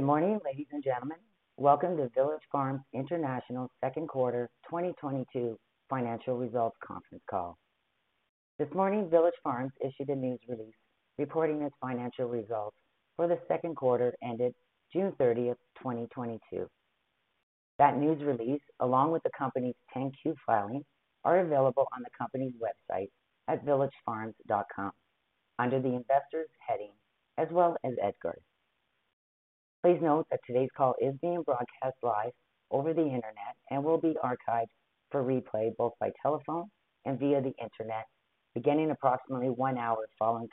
Welcome to Village Farms International second quarter 2022 financial results conference call. This morning, Village Farms issued a news release reporting its financial results for the second quarter ended June 30, 2022. That news release, along with the company's 10-Q filings, are available on the company's website at villagefarms.com under the Investors heading, as well as EDGAR. Please note that today's call is being broadcast live over the Internet and will be archived for replay both by telephone and via the Internet, beginning approximately one hour following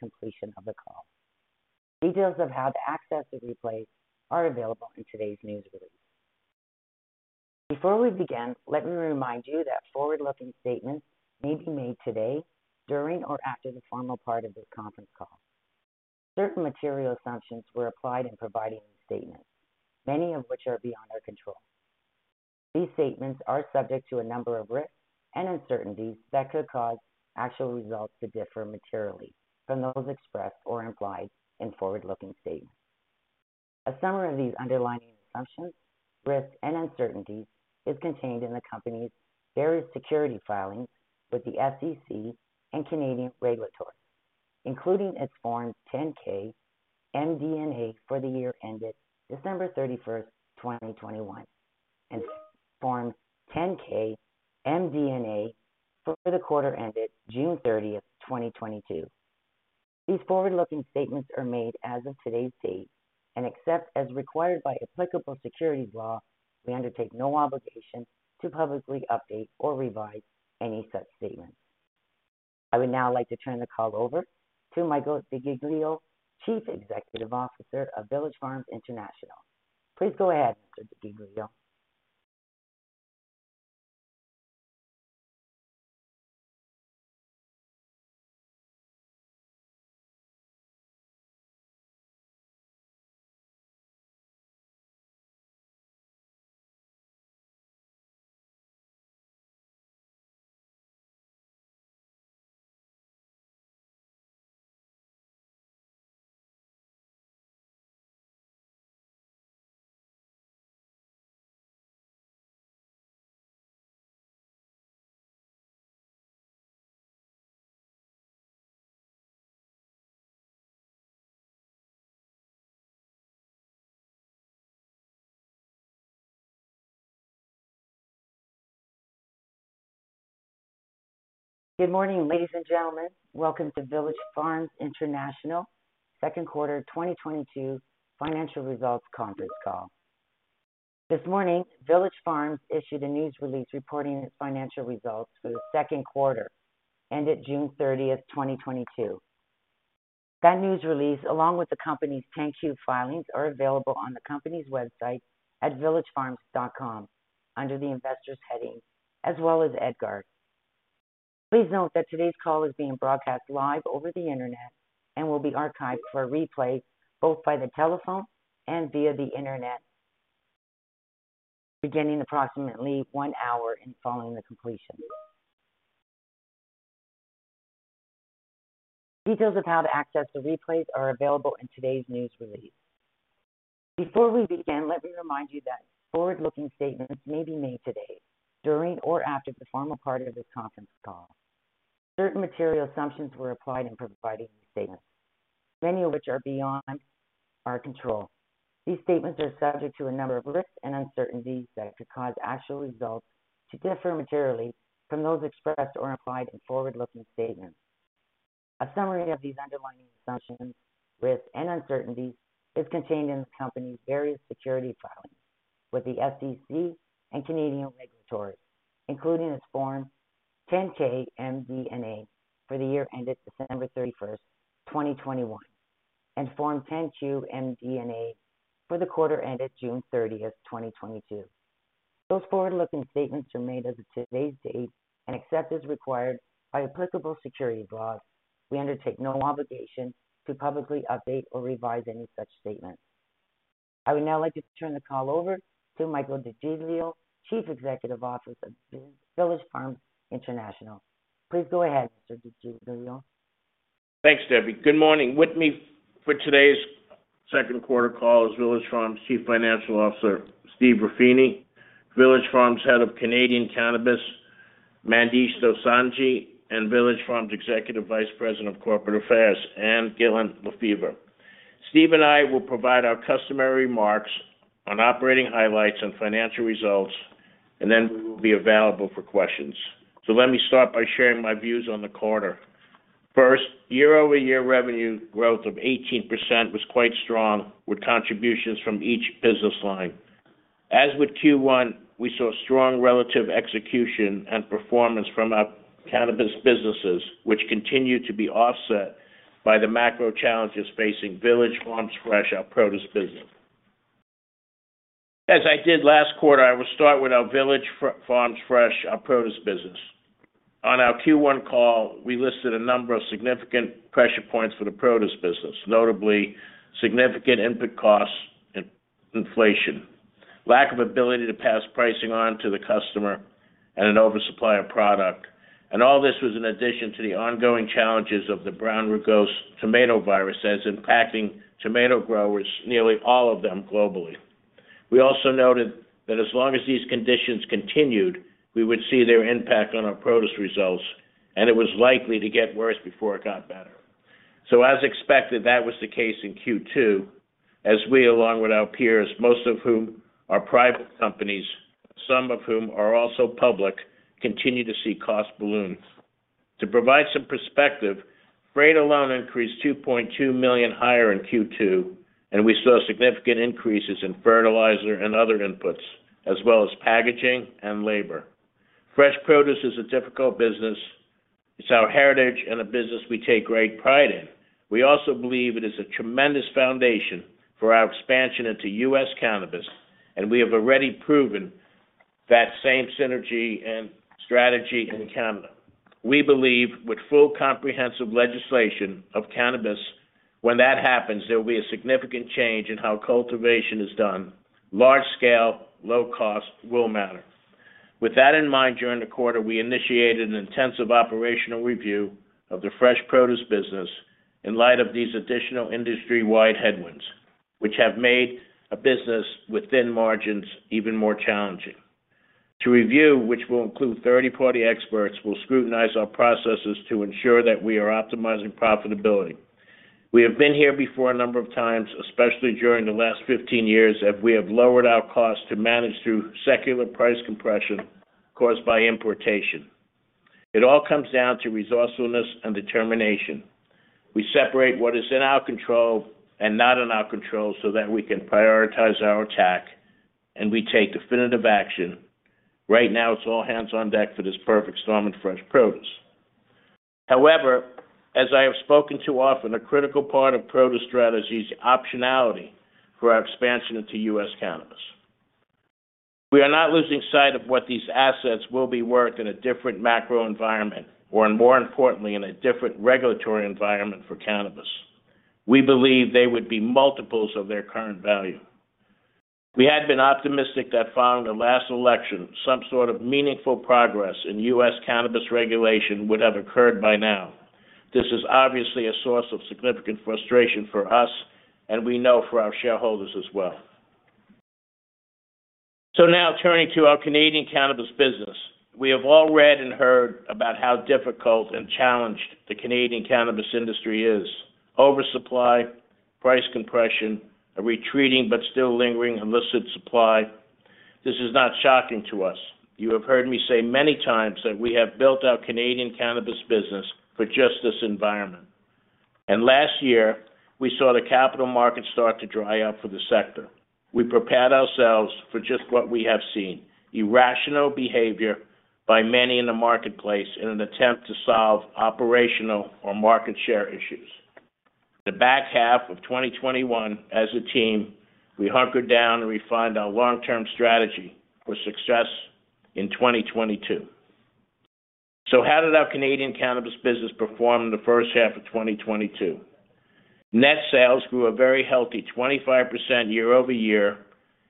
the completion. Details of how to access the replays are available in today's news release. Before we begin, let me remind you that forward-looking statements may be made today during or after the formal part of this conference call. Certain material assumptions were applied in providing these statements, many of which are beyond our control. These statements are subject to a number of risks and uncertainties that could cause actual results to differ materially from those expressed or implied in forward-looking statements. A summary of these underlying assumptions, risks, and uncertainties is contained in the company's various securities filings with the SEC and Canadian regulators, including its Form 10-K MD&A for the year ended December 31, 2021, and Form 10-Q MD&A for the quarter ended June 30, 2022. Those forward-looking statements are made as of today's date, and except as required by applicable securities laws, we undertake no obligation to publicly update or revise any such statements. I would now like to turn the call over to Michael DeGiglio, Chief Executive Officer of Village Farms International. Please go ahead, Mr. DeGiglio. Thanks, Debbie. Good morning. With me for today's second quarter call is Village Farms Chief Financial Officer, Steve Ruffini, Village Farms Head of Canadian Cannabis, Mandesh Dosanjh, and Village Farms Executive Vice President of Corporate Affairs, Ann Gillin Lefever. Steve and I will provide our customary remarks on operating highlights and financial results, and then we will be available for questions. Let me start by sharing my views on the quarter. First, year-over-year revenue growth of 18% was quite strong, with contributions from each business line. As with Q1, we saw strong relative execution and performance from our cannabis businesses, which continued to be offset by the macro challenges facing Village Farms Fresh, our produce business. As I did last quarter, I will start with our Village Farms Fresh, our produce business. On our Q1 call, we listed a number of significant pressure points for the produce business, notably significant input costs and inflation, lack of ability to pass pricing on to the customer and an oversupply of product. All this was in addition to the ongoing challenges of the brown rugose tomato virus that's impacting tomato growers, nearly all of them globally. We also noted that as long as these conditions continued, we would see their impact on our produce results, and it was likely to get worse before it got better. As expected, that was the case in Q2, as we, along with our peers, most of whom are private companies, some of whom are also public, continue to see costs balloon. To provide some perspective, freight alone increased $2.2 million higher in Q2, and we saw significant increases in fertilizer and other inputs, as well as packaging and labor. Fresh produce is a difficult business. It's our heritage and a business we take great pride in. We also believe it is a tremendous foundation for our expansion into U.S. cannabis, and we have already proven that same synergy and strategy in Canada. We believe with full comprehensive legislation of cannabis, when that happens, there will be a significant change in how cultivation is done. Large scale, low cost will matter. With that in mind, during the quarter, we initiated an intensive operational review of the fresh produce business in light of these additional industry-wide headwinds, which have made the business with thin margins even more challenging. To review, which will include third-party experts, we'll scrutinize our processes to ensure that we are optimizing profitability. We have been here before a number of times, especially during the last 15 years, as we have lowered our costs to manage through secular price compression caused by importation. It all comes down to resourcefulness and determination. We separate what is in our control and not in our control so that we can prioritize our attack, and we take definitive action. Right now, it's all hands on deck for this perfect storm in fresh produce. However, as I have spoken to often, a critical part of produce strategy is optionality for our expansion into U.S. cannabis. We are not losing sight of what these assets will be worth in a different macro environment, or more importantly, in a different regulatory environment for cannabis. We believe they would be multiples of their current value. We had been optimistic that following the last election, some sort of meaningful progress in U.S. cannabis regulation would have occurred by now. This is obviously a source of significant frustration for us, and we know for our shareholders as well. Now turning to our Canadian cannabis business. We have all read and heard about how difficult and challenged the Canadian cannabis industry is. Oversupply, price compression, a retreating but still lingering illicit supply. This is not shocking to us. You have heard me say many times that we have built our Canadian cannabis business for just this environment. Last year, we saw the capital markets start to dry up for the sector. We prepared ourselves for just what we have seen, irrational behavior by many in the marketplace in an attempt to solve operational or market share issues. The back half of 2021, as a team, we hunkered down and refined our long-term strategy for success in 2022. How did our Canadian cannabis business perform in the first half of 2022? Net sales grew a very healthy 25% year-over-year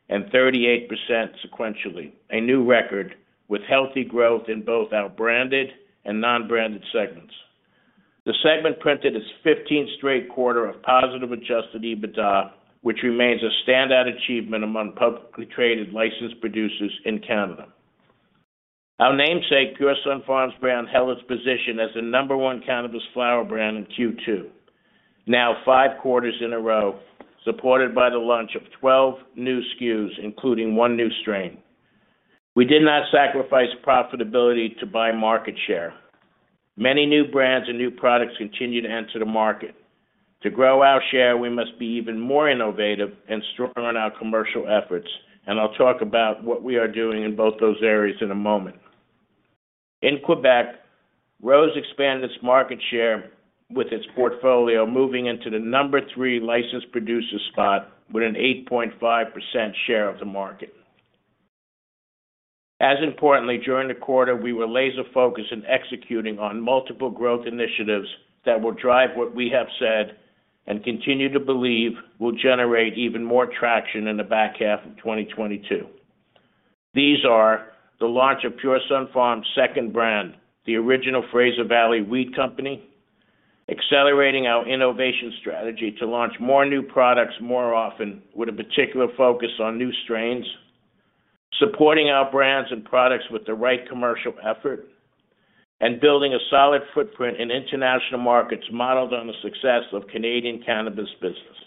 and 38% sequentially, a new record with healthy growth in both our branded and non-branded segments. The segment printed its 15th straight quarter of positive adjusted EBITDA, which remains a standout achievement among publicly traded licensed producers in Canada. Our namesake, Pure Sunfarms brand, held its position as the number one cannabis flower brand in Q2, now five quarters in a row, supported by the launch of 12 new SKUs, including one new strain. We did not sacrifice profitability to buy market share. Many new brands and new products continue to enter the market. To grow our share, we must be even more innovative and strong on our commercial efforts, and I'll talk about what we are doing in both those areas in a moment. In Quebec, Rose expanded its market share with its portfolio moving into the number three licensed producer spot with an 8.5% share of the market. As importantly, during the quarter, we were laser-focused in executing on multiple growth initiatives that will drive what we have said and continue to believe will generate even more traction in the back half of 2022. This is the launch of Pure Sunfarms' second brand, The Original Fraser Valley Weed Co, accelerating our innovation strategy to launch more new products more often with a particular focus on new strains, supporting our brands and products with the right commercial effort, and building a solid footprint in international markets modeled on the success of Canadian cannabis business.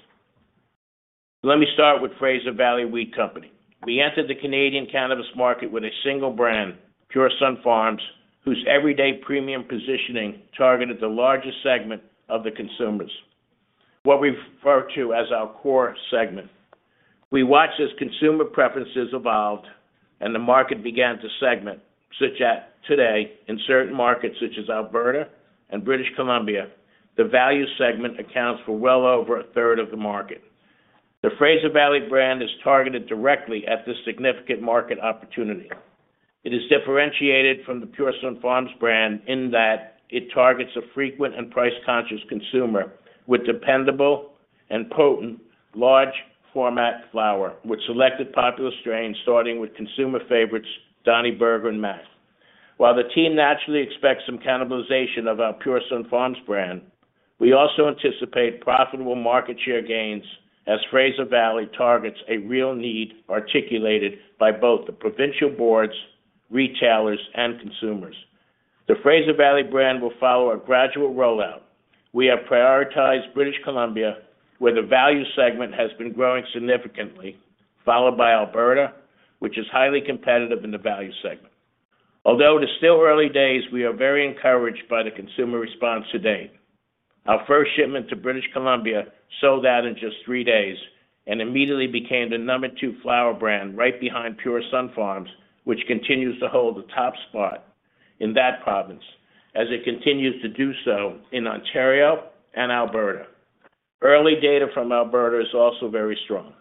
Let me start with The Original Fraser Valley Weed Co, We entered the Canadian cannabis market with a single brand, Pure Sunfarms, whose everyday premium positioning targeted the largest segment of the consumers, what we refer to as our core segment. We watched as consumer preferences evolved and the market began to segment, such that today in certain markets, such as Alberta and British Columbia, the value segment accounts for well over a third of the market. The Fraser Valley brand is targeted directly at this significant market opportunity. It is differentiated from the Pure Sunfarms brand in that it targets a frequent and price-conscious consumer with dependable and potent large format flower, with selected popular strains, starting with consumer favorites, Donny Burger and MAC 1. While the team naturally expects some cannibalization of our Pure Sunfarms brand, we also anticipate profitable market share gains as Fraser Valley targets a real need articulated by both the provincial boards, retailers, and consumers. The Fraser Valley brand will follow a gradual rollout. We have prioritized British Columbia, where the value segment has been growing significantly, followed by Alberta, which is highly competitive in the value segment. Although it is still early days, we are very encouraged by the consumer response to date. Our first shipment to British Columbia sold out in just three days and immediately became the number two flower brand right behind Pure Sunfarms, which continues to hold the top spot in that province as it continues to do so in Ontario and Alberta. Early data from Alberta is also very strong.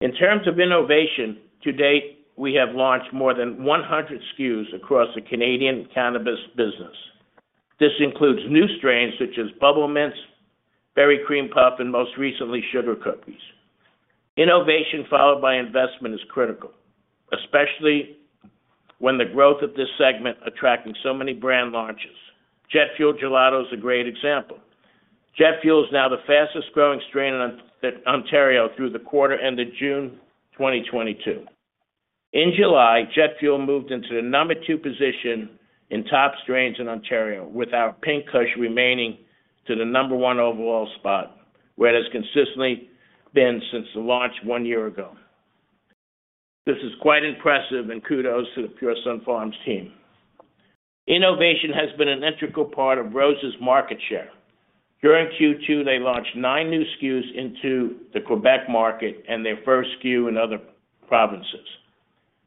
In terms of innovation, to date, we have launched more than 100 SKUs across the Canadian cannabis business. This includes new strains such as Bubble Mints, Berry Cream Puff, and most recently, Sugar Cookies. Innovation followed by investment is critical, especially when the growth of this segment attracting so many brand launches. Jet Fuel Gelato is a great example. Jet Fuel is now the fastest-growing strain in Ontario through the quarter end of June 2022. In July, Jet Fuel moved into the number two position in top strains in Ontario with our Pink Kush remaining to the number one overall spot, where it has consistently been since the launch one year ago. This is quite impressive and kudos to the Pure Sunfarms team. Innovation has been an integral part of Rose's market share. During Q2, they launched nine new SKUs into the Quebec market and their first SKU in other provinces.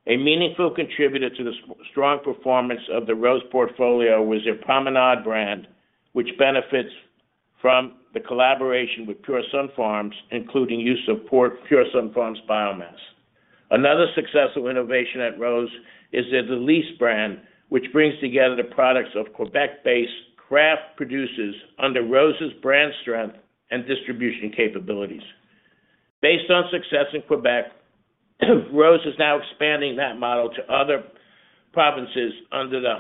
A meaningful contributor to the strong performance of the Rose portfolio was their Promenade brand, which benefits from the collaboration with Pure Sunfarms, including use of Pure Sunfarms biomass. Another successful innovation at Rose is their DLYS brand, which brings together the products of Quebec-based craft producers under Rose's brand strength and distribution capabilities. Based on success in Quebec, Rose is now expanding that model to other provinces under the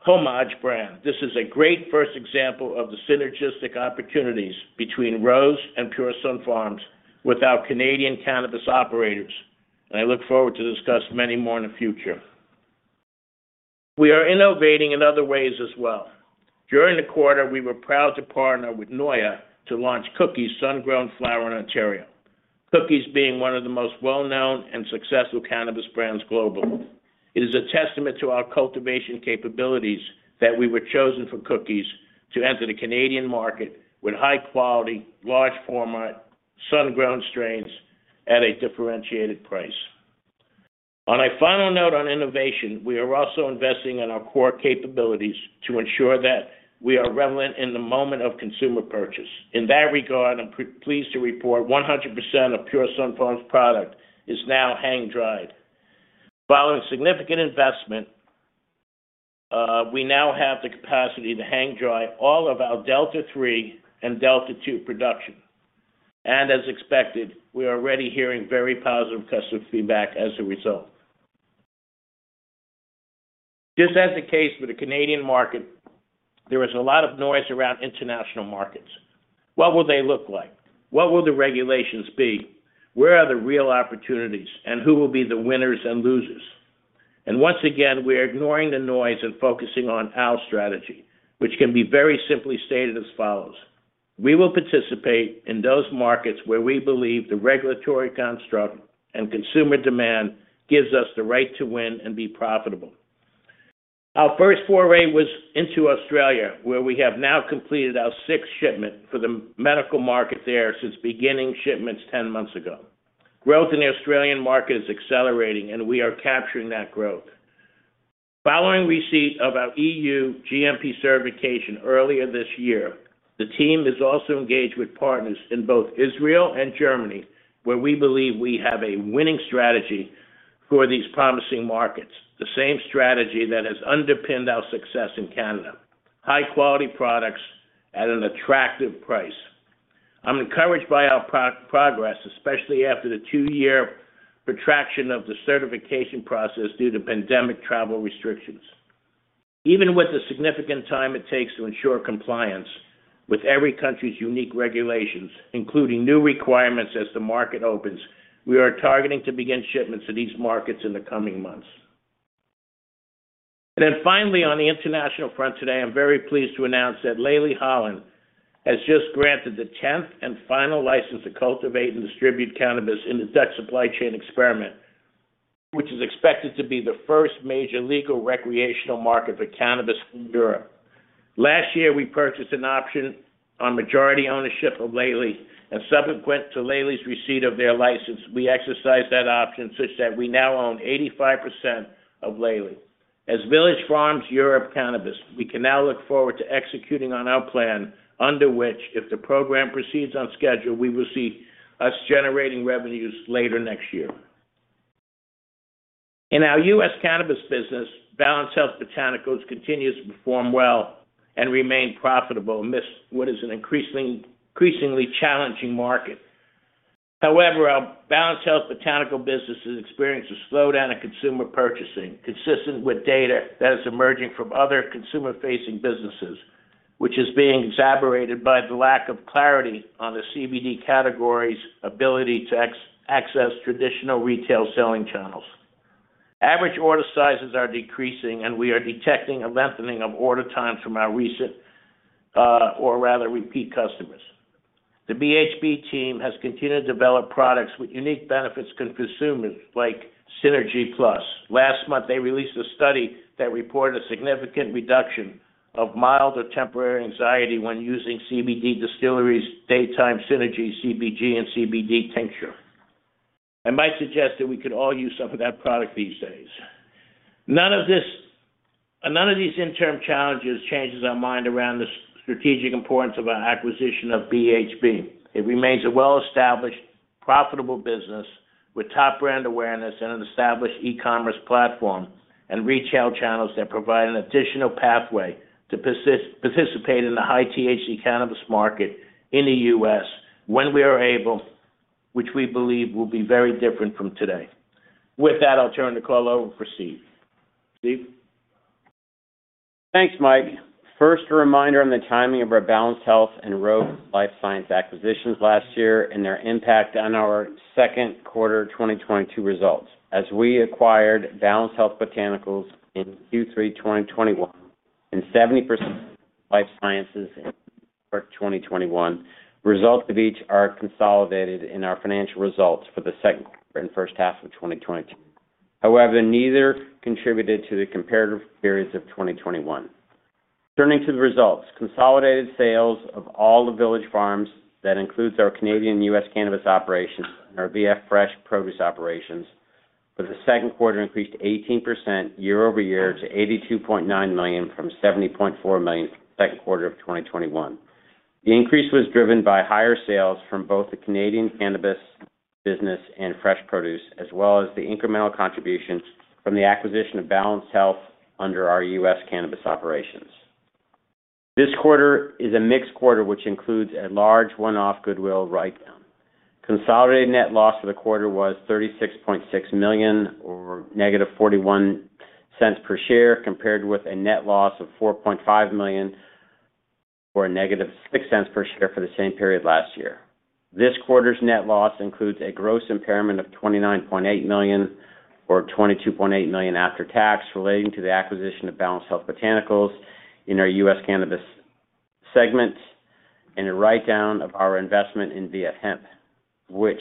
Homage brand. This is a great first example of the synergistic opportunities between Rose and Pure Sunfarms with our Canadian cannabis operators. I look forward to discuss many more in the future. We are innovating in other ways as well. During the quarter, we were proud to partner with NOYA to launch Cookies sun-grown flower in Ontario. Cookies being one of the most well-known and successful cannabis brands globally. It is a testament to our cultivation capabilities that we were chosen for Cookies to enter the Canadian market with high-quality, large format, sun-grown strains at a differentiated price. On a final note on innovation, we are also investing in our core capabilities to ensure that we are relevant in the moment of consumer purchase. In that regard, I'm pleased to report 100% of Pure Sunfarms product is now hang-dried. Following significant investment, we now have the capacity to hang-dry all of our Delta III and Delta II production. As expected, we are already hearing very positive customer feedback as a result. Just as is the case with the Canadian market, there is a lot of noise around international markets. What will they look like? What will the regulations be? Where are the real opportunities, and who will be the winners and losers? Once again, we are ignoring the noise and focusing on our strategy, which can be very simply stated as follows. We will participate in those markets where we believe the regulatory construct and consumer demand gives us the right to win and be profitable. Our first foray was into Australia, where we have now completed our sixth shipment for the medical market there since beginning shipments ten months ago. Growth in the Australian market is accelerating, and we are capturing that growth. Following receipt of our EU GMP certification earlier this year, the team is also engaged with partners in both Israel and Germany, where we believe we have a winning strategy for these promising markets, the same strategy that has underpinned our success in Canada. High-quality products at an attractive price. I'm encouraged by our progress, especially after the two-year protraction of the certification process due to pandemic travel restrictions. Even with the significant time it takes to ensure compliance with every country's unique regulations, including new requirements as the market opens, we are targeting to begin shipments to these markets in the coming months. Finally, on the international front today, I'm very pleased to announce that Leli Holland has just been granted the tenth and final license to cultivate and distribute cannabis in the Dutch supply chain experiment, which is expected to be the first major legal recreational market for cannabis in Europe. Last year, we purchased an option on majority ownership of Leli, and subsequent to Leli's receipt of their license, we exercised that option such that we now own 85% of Leli. As Village Farms Europe Cannabis, we can now look forward to executing on our plan under which, if the program proceeds on schedule, we will see us generating revenues later next year. In our U.S. cannabis business, Balanced Health Botanicals continues to perform well and remain profitable amidst what is an increasingly challenging market. However, our Balanced Health Botanicals business has experienced a slowdown in consumer purchasing, consistent with data that is emerging from other consumer-facing businesses, which is being exacerbated by the lack of clarity on the CBD category's ability to access traditional retail selling channels. Average order sizes are decreasing, and we are detecting a lengthening of order times from our recent, or rather repeat customers. The BHB team has continued to develop products with unique benefits to consumers, like Synergy Plus. Last month, they released a study that reported a significant reduction of mild or temporary anxiety when using CBDistillery's daytime Synergy CBG and CBD tincture. I might suggest that we could all use some of that product these days. None of these interim challenges changes our mind around the strategic importance of our acquisition of BHB. It remains a well-established, profitable business with top brand awareness and an established e-commerce platform and retail channels that provide an additional pathway to participate in the high-THC cannabis market in the U.S. when we are able, which we believe will be very different from today. With that, I'll turn the call over to Steve. Steve? Thanks, Mike. First, a reminder on the timing of our Balanced Health Botanicals and Rose LifeScience acquisitions last year and their impact on our second quarter 2022 results. As we acquired Balanced Health Botanicals in Q3 2021 and 70% of Rose LifeScience in Q4 2021, results of each are consolidated in our financial results for the second quarter and first half of 2022. However, neither contributed to the comparative periods of 2021. Turning to the results, consolidated sales of all the Village Farms, that includes our Canadian and U.S. cannabis operations and our VF Fresh produce operations, for the second quarter increased 18% year-over-year to $82.9 million from $70.4 million second quarter of 2021. The increase was driven by higher sales from both the Canadian cannabis business and fresh produce, as well as the incremental contributions from the acquisition of Balanced Health Botanicals under our U.S. cannabis operations. This quarter is a mixed quarter, which includes a large one-off goodwill write-down. Consolidated net loss for the quarter was $36.6 million or negative $0.41 per share, compared with a net loss of $4.5 million or a negative $0.06 per share for the same period last year. This quarter's net loss includes a gross impairment of $29.8 million or $22.8 million after tax relating to the acquisition of Balanced Health Botanicals in our U.S. cannabis segment and a write-down of our investment in Village Fields Hemp, which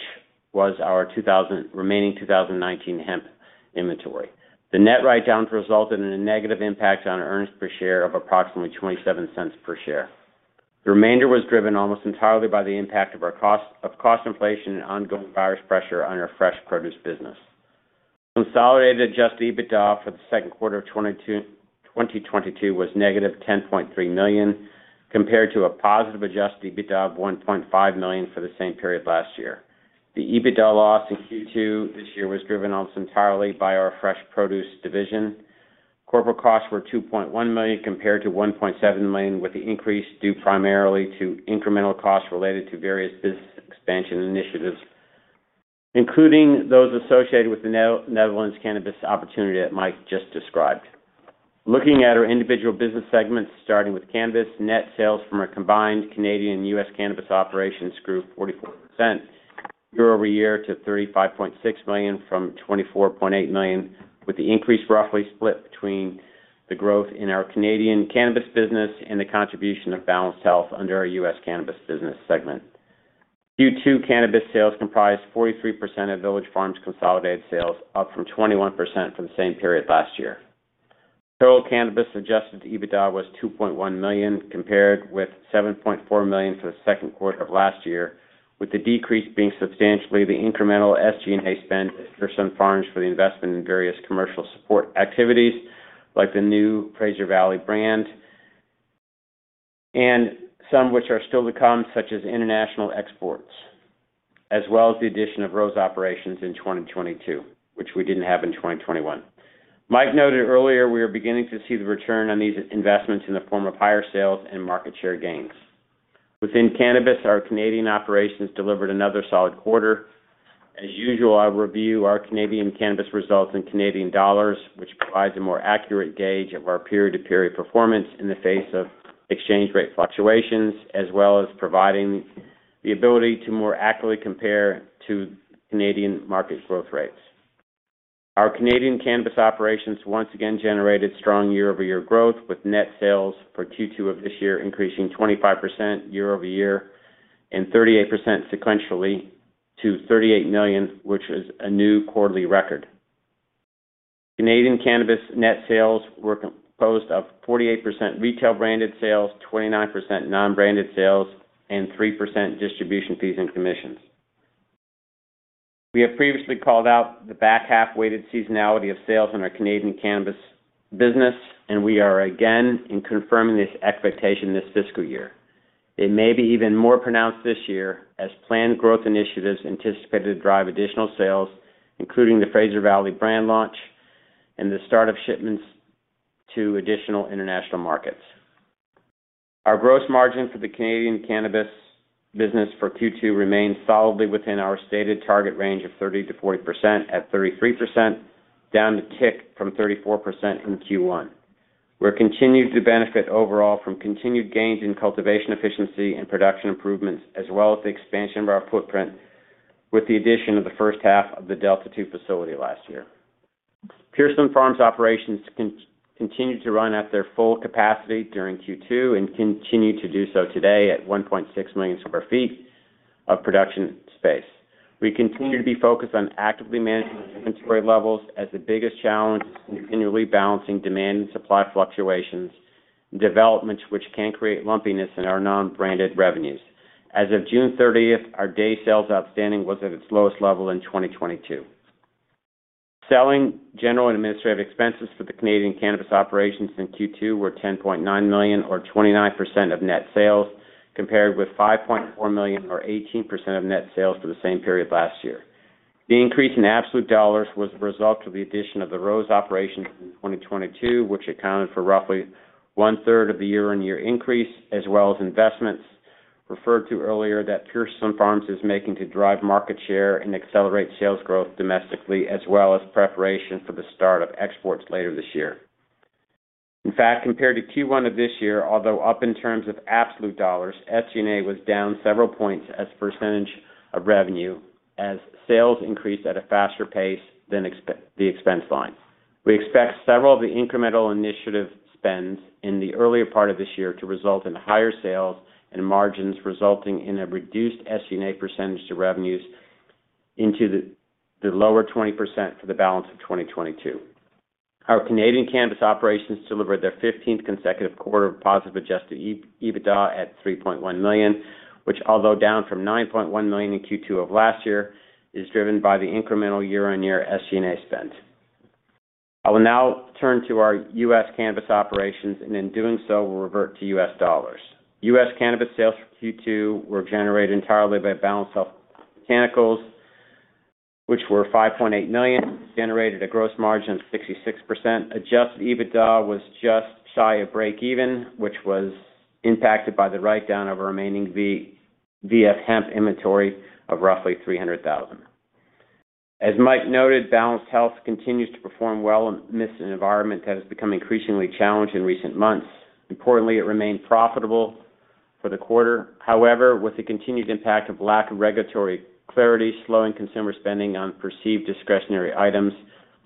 was our remaining 2019 hemp inventory. The net write-downs resulted in a negative impact on earnings per share of approximately $0.27 per share. The remainder was driven almost entirely by the impact of cost inflation and ongoing virus pressure on our Fresh Produce business. Consolidated adjusted EBITDA for the second quarter of 2022 was -$10.3 million, compared to a positive adjusted EBITDA of $1.5 million for the same period last year. The EBITDA loss in Q2 this year was driven almost entirely by our Fresh Produce division. Corporate costs were $2.1 million compared to $1.7 million, with the increase due primarily to incremental costs related to various business expansion initiatives, including those associated with the Netherlands cannabis opportunity that Mike just described. Looking at our individual business segments, starting with cannabis, net sales from our combined Canadian-U.S. cannabis operations grew 44% year-over-year to $35.6 million from $24.8 million, with the increase roughly split between the growth in our Canadian cannabis business and the contribution of Balanced Health under our U.S. cannabis business segment. Q2 cannabis sales comprised 43% of Village Farms' consolidated sales, up from 21% for the same period last year. Total cannabis adjusted EBITDA was $2.1 million, compared with $7.4 million for the second quarter of last year, with the decrease being substantially the incremental SG&A spend for Sunfarms for the investment in various commercial support activities like the new Fraser Valley brand and some which are still to come, such as international exports, as well as the addition of Rose's operations in 2022, which we didn't have in 2021. Mike noted earlier, we are beginning to see the return on these investments in the form of higher sales and market share gains. Within cannabis, our Canadian operations delivered another solid quarter. As usual, I review our Canadian cannabis results in Canadian dollars, which provides a more accurate gauge of our period-to-period performance in the face of exchange rate fluctuations, as well as providing the ability to more accurately compare to Canadian market growth rates. Our Canadian cannabis operations once again generated strong year-over-year growth with net sales for Q2 of this year increasing 25% year-over-year and 38% sequentially to 38 million, which is a new quarterly record. Canadian cannabis net sales were composed of 48% retail branded sales, 29% non-branded sales, and 3% distribution fees and commissions. We have previously called out the back half-weighted seasonality of sales in our Canadian cannabis business, and we are again confirming this expectation this fiscal year. It may be even more pronounced this year as planned growth initiatives anticipated to drive additional sales, including the Fraser Valley brand launch and the start of shipments to additional international markets. Our gross margin for the Canadian cannabis business for Q2 remains solidly within our stated target range of 30%-40% at 33%, down a tick from 34% from Q1. We've continued to benefit overall from continued gains in cultivation efficiency and production improvements, as well as the expansion of our footprint with the addition of the first half of the Delta 2 facility last year. Pure Sunfarms' operations continue to run at their full capacity during Q2 and continue to do so today at 1.6 million sq ft of production space. We continue to be focused on actively managing inventory levels as the biggest challenge in continually balancing demand and supply fluctuations, developments which can create lumpiness in our non-branded revenues. As of June 30, our days sales outstanding was at its lowest level in 2022. Selling, general, and administrative expenses for the Canadian cannabis operations in Q2 were 10.9 million or 29% of net sales, compared with 5.4 million or 18% of net sales for the same period last year. The increase in absolute dollars was a result of the addition of the Rose operations in 2022, which accounted for roughly one-third of the year-on-year increase, as well as investments referred to earlier that Pure Sunfarms is making to drive market share and accelerate sales growth domestically, as well as preparation for the start of exports later this year. In fact, compared to Q1 of this year, although up in terms of absolute dollars, SG&A was down several points as a percentage of revenue as sales increased at a faster pace than the expense line. We expect several of the incremental initiative spends in the earlier part of this year to result in higher sales and margins resulting in a reduced SG&A percentage to revenues into the lower 20% for the balance of 2022. Our Canadian cannabis operations delivered their fifteenth consecutive quarter of positive adjusted EBITDA at 3.1 million, which, although down from 9.1 million in Q2 of last year, is driven by the incremental year-on-year SG&A spend. I will now turn to our US cannabis operations, and in doing so, we'll revert to US dollars. US cannabis sales for Q2 were generated entirely by Balanced Health Botanicals, which were $5.8 million, generated a gross margin of 66%. Adjusted EBITDA was just shy of break even, which was impacted by the write-down of our remaining VF hemp inventory of roughly $300,000. As Mike noted, Balanced Health continues to perform well in this environment that has become increasingly challenged in recent months. Importantly, it remained profitable for the quarter. However, with the continued impact of lack of regulatory clarity, slowing consumer spending on perceived discretionary items,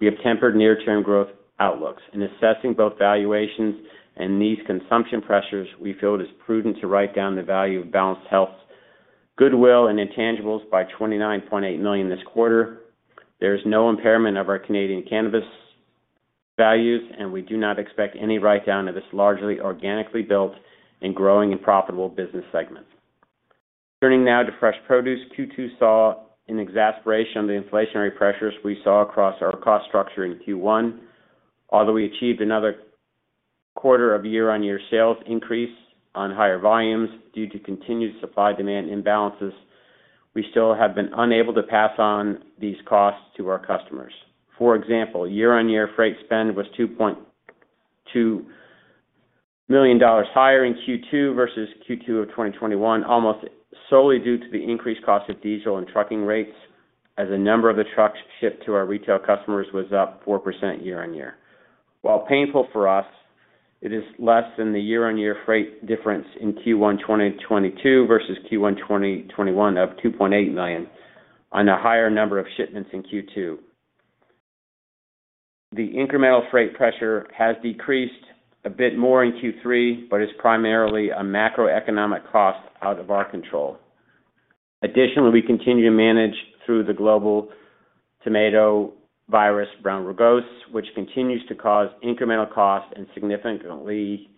we have tempered near-term growth outlooks. In assessing both valuations and these consumption pressures, we feel it is prudent to write down the value of Balanced Health goodwill and intangibles by $29.8 million this quarter. There is no impairment of our Canadian cannabis values, and we do not expect any write-down of this largely organically built and growing and profitable business segment. Turning now to fresh produce, Q2 saw an exacerbation of the inflationary pressures we saw across our cost structure in Q1. Although we achieved another quarter of year-on-year sales increase on higher volumes due to continued supply-demand imbalances, we still have been unable to pass on these costs to our customers. For example, year-on-year freight spend was $2.2 million higher in Q2 versus Q2 of 2021, almost solely due to the increased cost of diesel and trucking rates as a number of the trucks shipped to our retail customers was up 4% year-on-year. While painful for us, it is less than the year-on-year freight difference in Q1 2022 versus Q1 2021 of $2.8 million on a higher number of shipments in Q2. The incremental freight pressure has decreased a bit more in Q3 but is primarily a macroeconomic cost out of our control. We continue to manage through the global Tomato brown rugose virus, which continues to cause incremental costs and significantly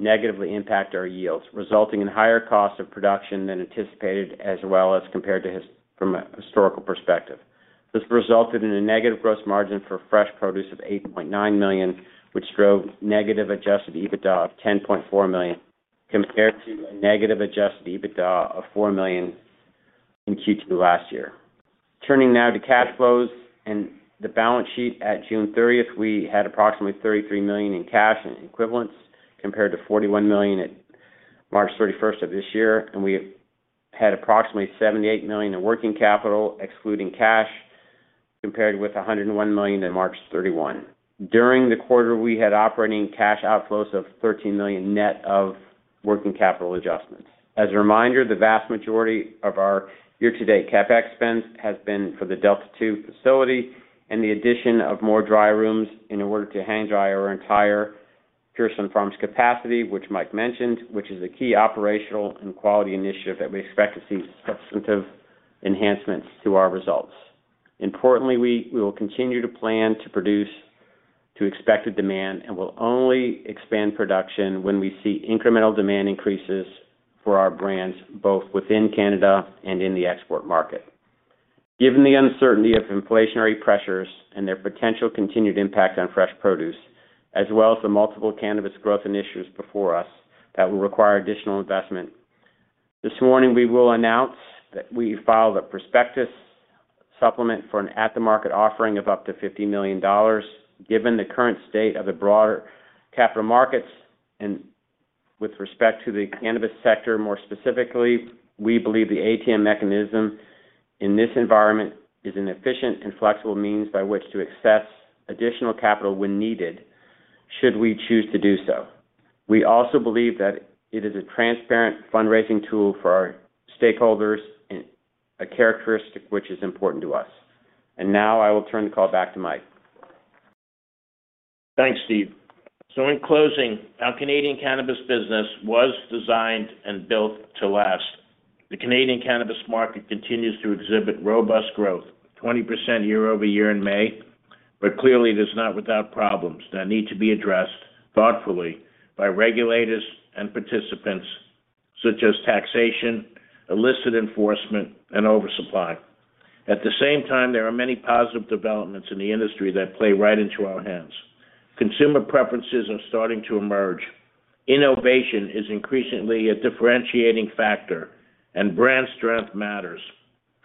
negatively impact our yields, resulting in higher costs of production than anticipated as well as compared to this from a historical perspective. This resulted in a negative gross margin for fresh produce of $8.9 million, which drove negative adjusted EBITDA of $10.4 million compared to a negative adjusted EBITDA of $4 million in Q2 last year. Turning now to cash flows and the balance sheet at June 30th, we had approximately $33 million in cash and equivalents compared to $41 million at March 31st of this year, and we had approximately $78 million in working capital, excluding cash, compared with $101 million in March 31st. During the quarter, we had operating cash outflows of $13 million net of working capital adjustments. As a reminder, the vast majority of our year-to-date CapEx spend has been for the Delta 2 facility and the addition of more dry rooms in order to hang dry our entire Pure Sunfarms capacity, which Mike mentioned, which is a key operational and quality initiative that we expect to see substantive enhancements to our results. Importantly, we will continue to plan to produce To expected demand and will only expand production when we see incremental demand increases for our brands, both within Canada and in the export market. Given the uncertainty of inflationary pressures and their potential continued impact on fresh produce, as well as the multiple cannabis growth initiatives before us that will require additional investment. This morning, we will announce that we filed a prospectus supplement for an at-the-market offering of up to $50 million. Given the current state of the broader capital markets and with respect to the cannabis sector, more specifically, we believe the ATM mechanism in this environment is an efficient and flexible means by which to access additional capital when needed, should we choose to do so. We also believe that it is a transparent fundraising tool for our stakeholders and a characteristic which is important to us. Now I will turn the call back to Mike. Thanks, Steve. In closing, our Canadian cannabis business was designed and built to last. The Canadian cannabis market continues to exhibit robust growth, 20% year-over-year in May. Clearly it is not without problems that need to be addressed thoughtfully by regulators and participants such as taxation, illicit enforcement, and oversupply. At the same time, there are many positive developments in the industry that play right into our hands. Consumer preferences are starting to emerge. Innovation is increasingly a differentiating factor, and brand strength matters.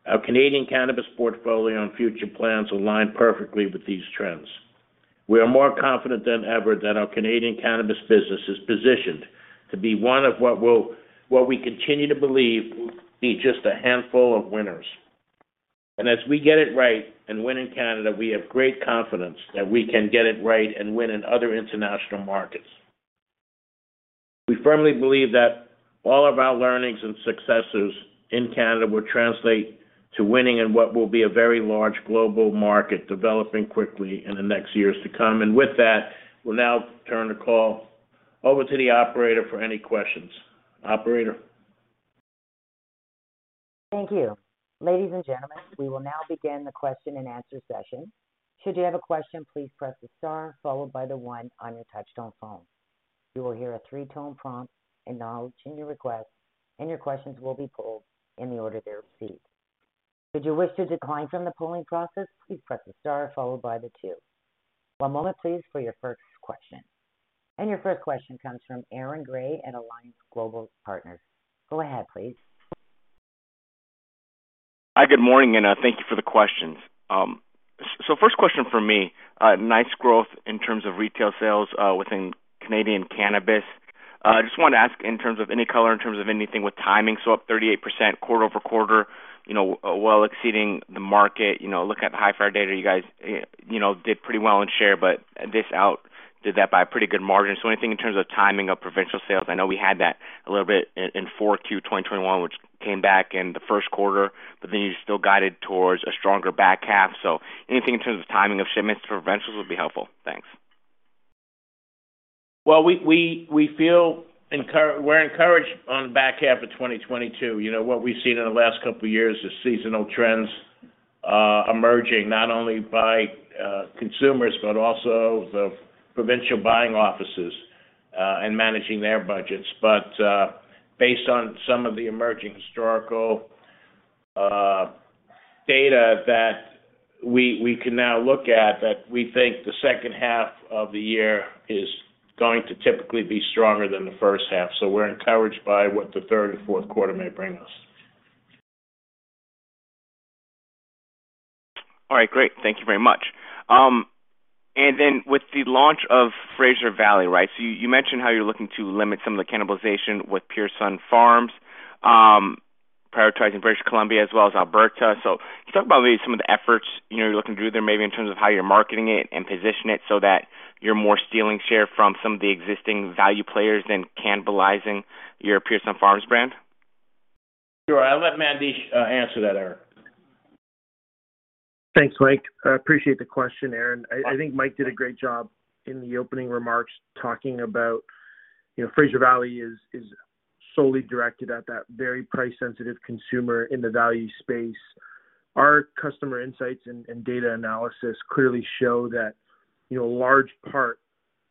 Our Canadian cannabis portfolio and future plans align perfectly with these trends. We are more confident than ever that our Canadian cannabis business is positioned to be one of what we continue to believe will be just a handful of winners. As we get it right and win in Canada, we have great confidence that we can get it right and win in other international markets. We firmly believe that all of our learnings and successes in Canada will translate to winning in what will be a very large global market, developing quickly in the next years to come. With that, we'll now turn the call over to the operator for any questions. Operator. Thank you. Ladies and gentlemen, we will now begin the question-and-answer session. Should you have a question, please press the star followed by the one on your touchtone phone. You will hear a three-tone prompt acknowledging your request, and your questions will be pulled in the order they're received. Should you wish to decline from the polling process, please press the star followed by the two. One moment please for your first question. Your first question comes from Aaron Grey at Alliance Global Partners. Go ahead, please. Hi, good morning, thank you for the questions. First question from me. Nice growth in terms of retail sales within Canadian Cannabis. I just wanted to ask in terms of any color, in terms of anything with timing, up 38% quarter-over-quarter, you know, while exceeding the market. You know, looking at the Hifyre data, you guys, you know, did pretty well in share, but this outdid that by a pretty good margin. Anything in terms of timing of provincial sales? I know we had that a little bit in 4Q 2021, which came back in the first quarter, but then you still guided towards a stronger back half. Anything in terms of timing of shipments to provincials would be helpful. Thanks. Well, we feel encouraged on the back half of 2022. You know, what we've seen in the last couple of years is seasonal trends emerging not only by consumers but also the provincial buying offices and managing their budgets. Based on some of the emerging historical data that we can now look at, we think the second half of the year is going to typically be stronger than the first half. We're encouraged by what the third and fourth quarter may bring us. All right, great. Thank you very much. With the launch of Fraser Valley, right? You mentioned how you're looking to limit some of the cannibalization with Pure Sunfarms, prioritizing British Columbia as well as Alberta. Can you talk about maybe some of the efforts, you know, you're looking to do there, maybe in terms of how you're marketing it and position it so that you're more stealing share from some of the existing value players than cannibalizing your Pure Sunfarms brand? Sure. I'll let Mandesh answer that, Aaron. Thanks, Mike. I appreciate the question, Aaron. I think Mike did a great job in the opening remarks talking about, you know, Fraser Valley is solely directed at that very price-sensitive consumer in the value space. Our customer insights and data analysis clearly show that, you know, a large part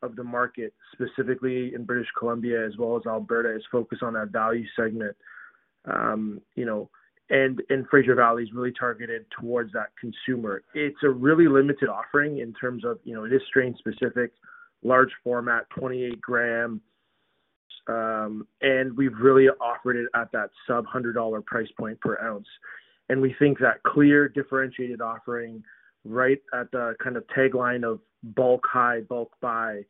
of the market, specifically in British Columbia as well as Alberta, is focused on that value segment. You know, Fraser Valley is really targeted towards that consumer. It's a really limited offering in terms of, you know, it is strain-specific, large format, 28 g. We've really offered it at that sub-$100 price point per ounce. We think that clear differentiated offering right at the kind of tagline of bulk high bulk buy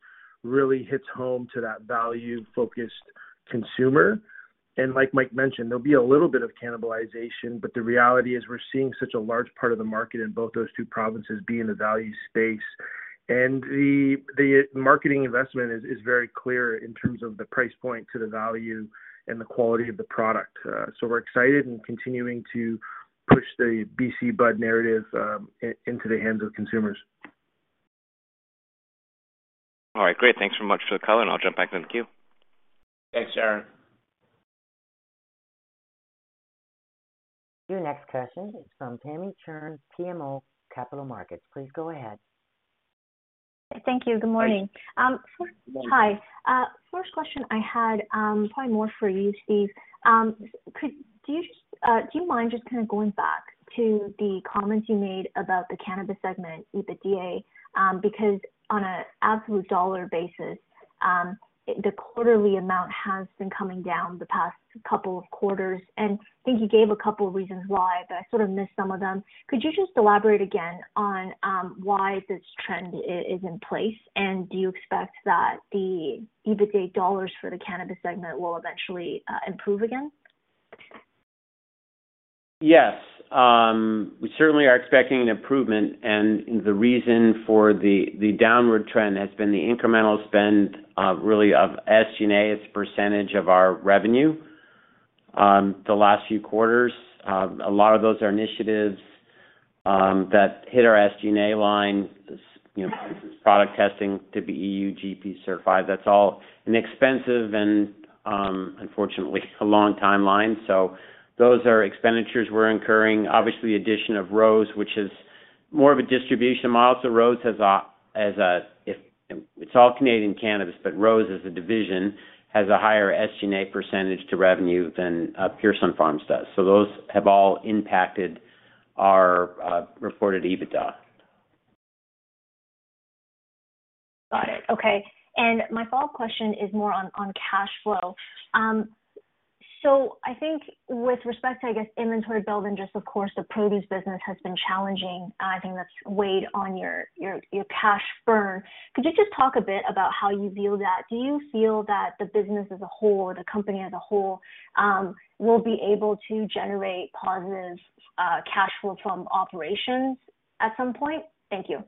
really hits home to that value-focused consumer. Like Mike mentioned, there'll be a little bit of cannibalization, but the reality is we're seeing such a large part of the market in both those two provinces be in the value space. The marketing investment is very clear in terms of the price point to the value and the quality of the product. We're excited and continuing to push the BC Bud narrative into the hands of consumers. All right, great. Thanks so much for the color, and I'll jump back in the queue. Thanks, Aaron. Your next question is from Tamy Chen, BMO Capital Markets. Please go ahead. Thank you. Good morning. Good morning. Hi. First question I had, probably more for you, Steve. Do you mind just kind of going back to the comments you made about the cannabis segment EBITDA? Because on an absolute dollar basis, the quarterly amount has been coming down the past couple of quarters, and I think you gave a couple of reasons why, but I sort of missed some of them. Could you just elaborate again on why this trend is in place, and do you expect that the EBITDA dollars for the cannabis segment will eventually improve again? Yes. We certainly are expecting an improvement. The reason for the downward trend has been the incremental spend, really of SG&A as a percentage of our revenue. The last few quarters, a lot of those are initiatives that hit our SG&A line, you know, product testing to be EU GMP certified. That's all inexpensive and, unfortunately, a long timeline. Those are expenditures we're incurring. Obviously, addition of Rose, which is more of a distribution model. Rose has a, it's all Canadian cannabis, but Rose as a division has a higher SG&A percentage to revenue than Pure Sunfarms does. Those have all impacted our reported EBITDA. Got it. Okay. My follow-up question is more on cash flow. I think with respect to, I guess, inventory build and just of course, the produce business has been challenging. I think that's weighed on your cash burn. Could you just talk a bit about how you view that? Do you feel that the business as a whole, the company as a whole, will be able to generate positive cash flow from operations at some point? Thank you.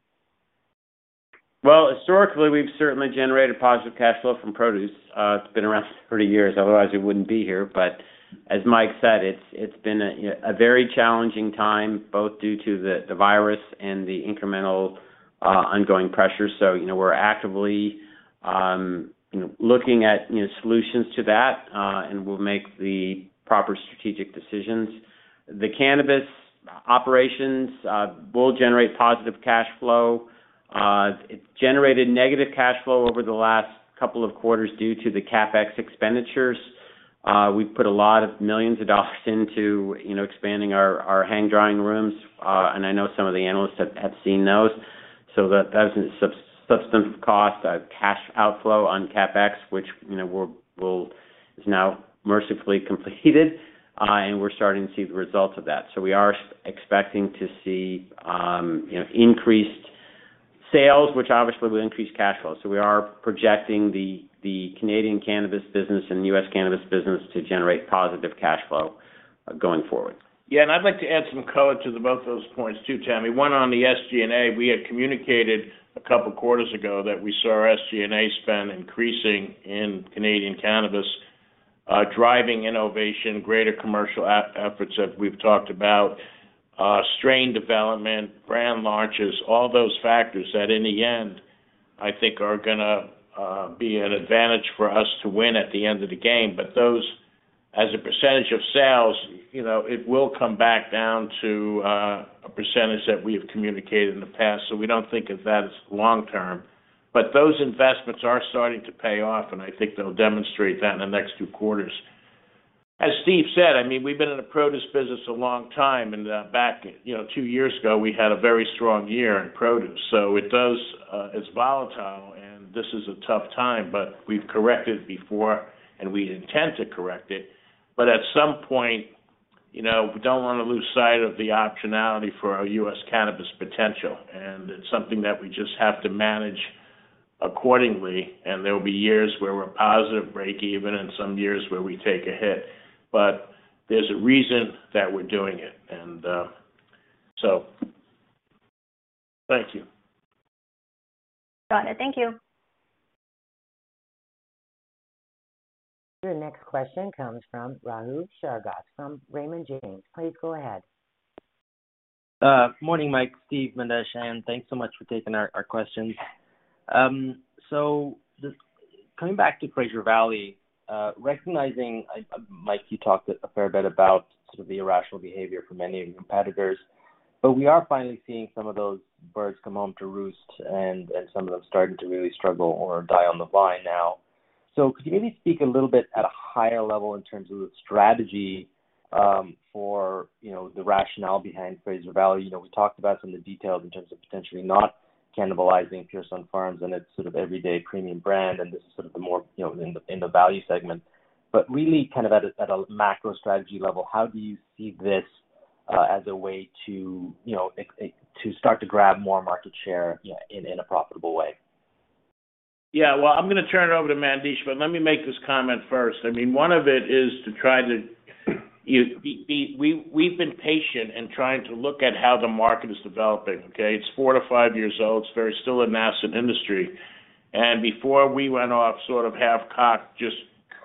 Well, historically, we've certainly generated positive cash flow from produce. It's been around 30 years, otherwise it wouldn't be here. As Mike said, it's been a very challenging time, both due to the virus and the incremental ongoing pressure. You know, we're actively looking at solutions to that, and we'll make the proper strategic decisions. The cannabis operations will generate positive cash flow. It generated negative cash flow over the last couple of quarters due to the CapEx expenditures. We've put a lot of millions dollars into expanding our hang drying rooms, and I know some of the analysts have seen those. That's a substantial cost, a cash outflow on CapEx, which you know, we'll. Is now mercifully completed, and we're starting to see the results of that. We are expecting to see, you know, increased sales, which obviously will increase cash flow. We are projecting the Canadian cannabis business and U.S. cannabis business to generate positive cash flow going forward. Yeah. I'd like to add some color to both of those points too, Tamy. One, on the SG&A, we had communicated a couple of quarters ago that we saw our SG&A spend increasing in Canadian cannabis, driving innovation, greater commercial efforts that we've talked about, strain development, brand launches, all those factors that in the end, I think are gonna be an advantage for us to win at the end of the game. Those as a percentage of sales, you know, it will come back down to a percentage that we have communicated in the past. We don't think of that as long term. Those investments are starting to pay off, and I think they'll demonstrate that in the next two quarters. As Steve said, I mean, we've been in the produce business a long time, and, back, you know, two years ago, we had a very strong year in produce. It does, it's volatile, and this is a tough time, but we've corrected before and we intend to correct it. At some point, you know, we don't wanna lose sight of the optionality for our U.S. cannabis potential. It's something that we just have to manage accordingly. There will be years where we're positive, breakeven, and some years where we take a hit. There's a reason that we're doing it and, so thank you. Got it. Thank you. Your next question comes from Rahul Sarugaser from Raymond James. Please go ahead. Morning, Mike, Steve, Mandesh, and thanks so much for taking our questions. Just coming back to Fraser Valley, recognizing, Mike, you talked a fair bit about sort of the irrational behavior from many of your competitors, but we are finally seeing some of those birds come home to roost and some of them starting to really struggle or die on the vine now. Could you maybe speak a little bit at a higher level in terms of the strategy, you know, for the rationale behind Fraser Valley? You know, we talked about some of the details in terms of potentially not cannibalizing Pure Sunfarms and its sort of everyday premium brand, and this is sort of the more, you know, in the value segment. Really kind of at a macro strategy level, how do you see this as a way to, you know, to start to grab more market share, you know, in a profitable way? Yeah. Well, I'm gonna turn it over to Mandesh, but let me make this comment first. I mean, one of it is to try to. We've been patient in trying to look at how the market is developing, okay? It's four-five years old. It's still a very nascent industry. Before we went off sort of half-cocked, just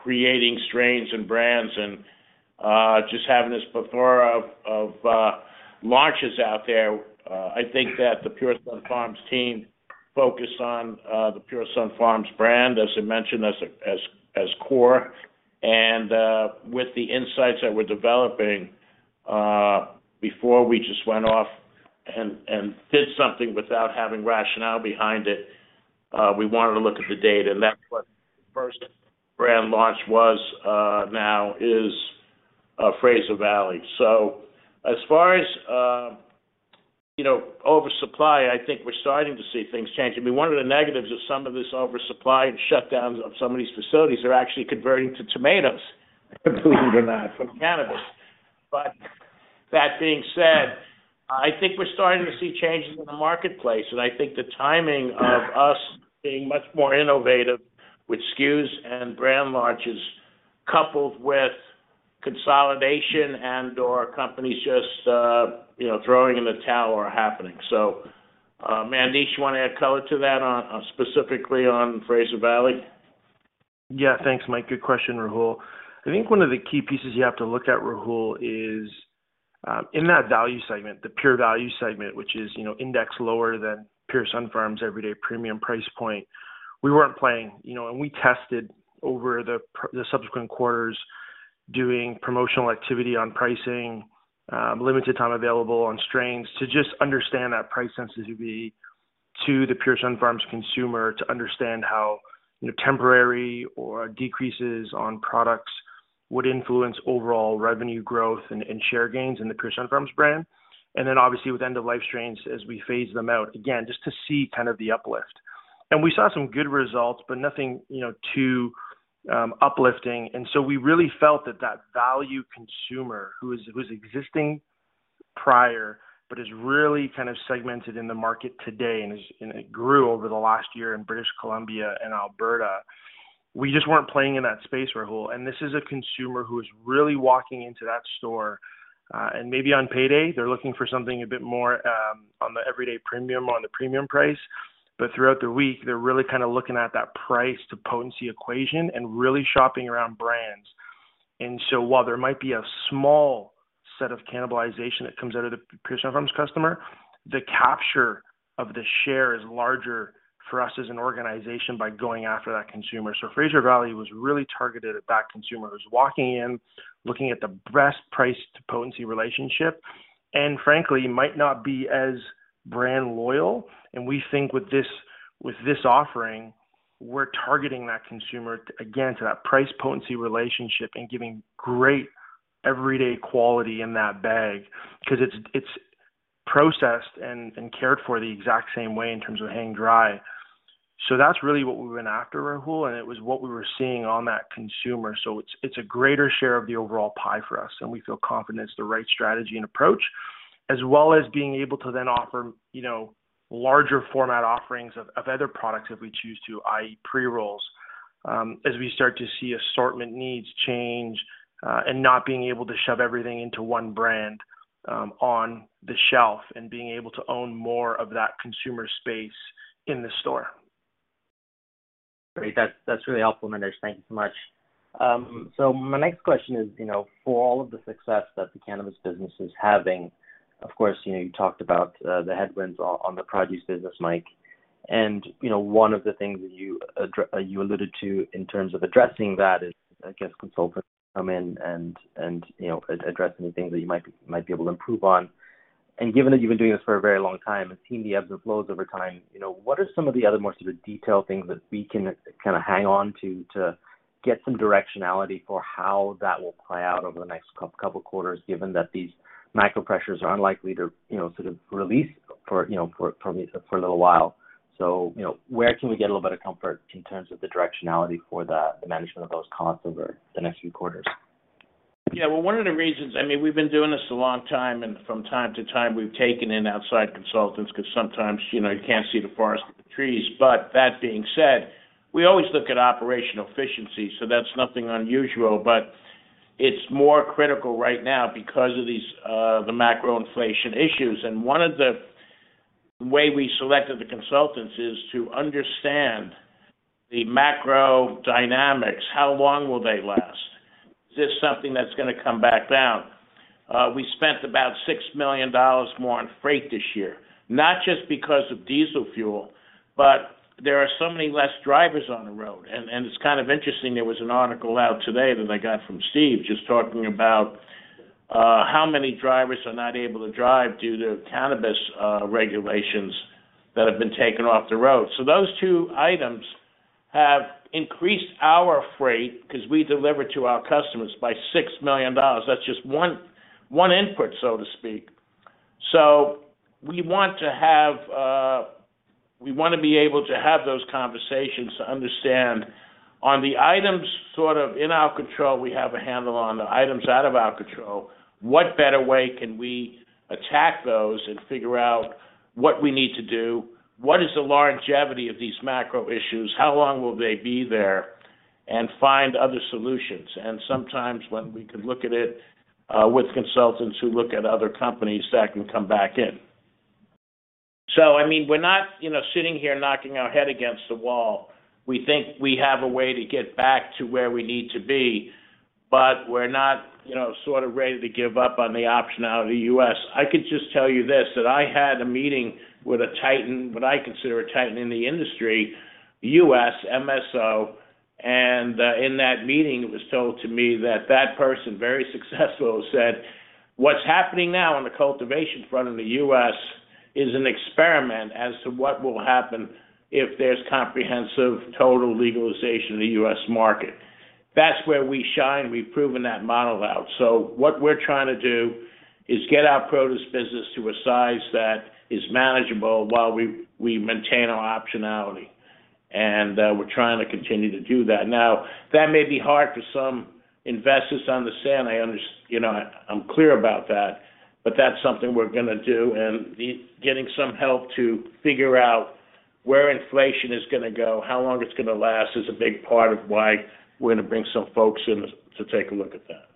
creating strains and brands and just having this plethora of launches out there, I think that the Pure Sunfarms team focus on the Pure Sunfarms brand, as I mentioned, as core. With the insights that we're developing, before we just went off and did something without having rationale behind it, we wanted to look at the data, and that's what the first brand launch was, now is, Fraser Valley. As far as, you know, oversupply, I think we're starting to see things change. I mean, one of the negatives of some of this oversupply and shutdowns of some of these facilities, they're actually converting to tomatoes, believe it or not, from cannabis. But that being said, I think we're starting to see changes in the marketplace, and I think the timing of us being much more innovative with SKUs and brand launches coupled with consolidation and/or companies just, you know, throwing in the towel are happening. Mandesh, you wanna add color to that specifically on Fraser Valley? Yeah, thanks, Mike. Good question, Rahul. I think one of the key pieces you have to look at, Rahul, is in that value segment, the pure value segment, which is, you know, index lower than Pure Sunfarms everyday premium price point, we weren't playing. You know, we tested over the subsequent quarters doing promotional activity on pricing, limited time available on strains to just understand that price sensitivity to the Pure Sunfarms consumer, to understand how, you know, temporary or decreases on products would influence overall revenue growth and share gains in the Pure Sunfarms brand. Then obviously, with end-of-life strains, as we phase them out, again, just to see kind of the uplift. We saw some good results, but nothing, you know, too uplifting. We really felt that value consumer who is existing prior, but is really kind of segmented in the market today and it grew over the last year in British Columbia and Alberta. We just weren't playing in that space, Rahul. This is a consumer who is really walking into that store, and maybe on payday, they're looking for something a bit more on the everyday premium or on the premium price. Throughout the week, they're really kind of looking at that price to potency equation and really shopping around brands. While there might be a small set of cannibalization that comes out of the Pure Sunfarms customer, the capture of the share is larger for us as an organization by going after that consumer. Fraser Valley was really targeted at that consumer who's walking in, looking at the best price to potency relationship, and frankly, might not be as brand loyal. We think with this offering, we're targeting that consumer, again, to that price potency relationship and giving great everyday quality in that bag because it's processed and cared for the exact same way in terms of hang dry. That's really what we've been after, Rahul, and it was what we were seeing on that consumer. It's a greater share of the overall pie for us, and we feel confident it's the right strategy and approach, as well as being able to then offer, you know, larger format offerings of other products if we choose to, i.e., pre-rolls, as we start to see assortment needs change, and not being able to shove everything into one brand, on the shelf and being able to own more of that consumer space in the store. Great. That's really helpful, Mandesh. Thank you so much. My next question is, you know, for all of the success that the cannabis business is having, of course, you know, you talked about the headwinds on the produce business, Mike. You know, one of the things that you alluded to in terms of addressing that is, I guess, consultants come in and, you know, address any things that you might be able to improve on. Given that you've been doing this for a very long time and seen the ebbs and flows over time, you know, what are some of the other more sort of detailed things that we can kind of hang on to get some directionality for how that will play out over the next couple quarters, given that these macro pressures are unlikely to, you know, sort of release for, you know, for me, for a little while? You know, where can we get a little bit of comfort in terms of the directionality for the management of those costs over the next few quarters? Yeah. Well, one of the reasons I mean, we've been doing this a long time, and from time to time, we've taken in outside consultants because sometimes, you know, you can't see the forest for the trees. But that being said, we always look at operational efficiency, so that's nothing unusual. But it's more critical right now because of these, the macro inflation issues. One of the way we selected the consultants is to understand the macro dynamics. How long will they last? Is this something that's gonna come back down? We spent about $6 million more on freight this year, not just because of diesel fuel, but there are so many less drivers on the road. It's kind of interesting. There was an article out today that I got from Steve just talking about how many drivers are not able to drive due to cannabis regulations that have been taken off the road. Those two items have increased our freight, because we deliver to our customers, by $6 million. That's just one input, so to speak. We want to have we wanna be able to have those conversations to understand on the items sort of in our control, we have a handle on. The items out of our control, what better way can we attack those and figure out what we need to do? What is the longevity of these macro issues? How long will they be there? Find other solutions. Sometimes when we can look at it with consultants who look at other companies, that can come back in. I mean, we're not, you know, sitting here knocking our head against the wall. We think we have a way to get back to where we need to be. We're not, you know, sort of ready to give up on the optionality of the U.S. I could just tell you this, that I had a meeting with a titan, what I consider a titan in the industry, U.S. MSO, and in that meeting, it was told to me that that person, very successful, said, "What's happening now on the cultivation front in the U.S. is an experiment as to what will happen if there's comprehensive total legalization in the U.S. market." That's where we shine. We've proven that model out. What we're trying to do is get our produce business to a size that is manageable while we maintain our optionality. We're trying to continue to do that. Now, that may be hard for some investors to understand. You know, I'm clear about that, but that's something we're gonna do. Getting some help to figure out where inflation is gonna go, how long it's gonna last, is a big part of why we're gonna bring some folks in to take a look at that.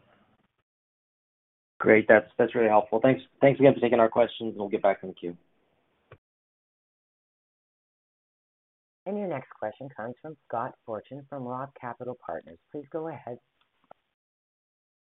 Great. That's really helpful. Thanks again for taking our questions, and we'll get back in the queue. Your next question comes from Scott Fortune from Roth Capital Partners. Please go ahead.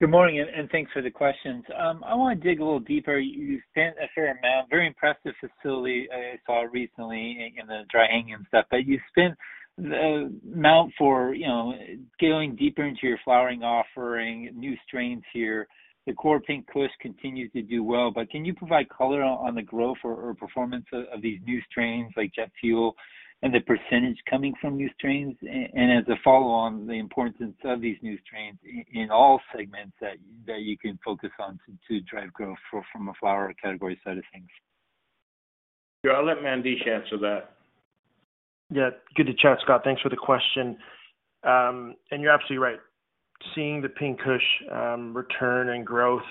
Good morning, thanks for the questions. I wanna dig a little deeper. You spent a fair amount, very impressed with the facility I saw recently in the dry hanging stuff. You spent a fair amount for, you know, going deeper into your flowering offering, new strains here. The core Pink Kush continues to do well. Can you provide color on the growth or performance of these new strains like Jet Fuel and the percentage coming from new strains? As a follow on the importance of these new strains in all segments that you can focus on to drive growth from a flower category side of things. Sure. I'll let Mandesh answer that. Yeah. Good to chat, Scott. Thanks for the question. You're absolutely right. Seeing the Pink Kush return and growth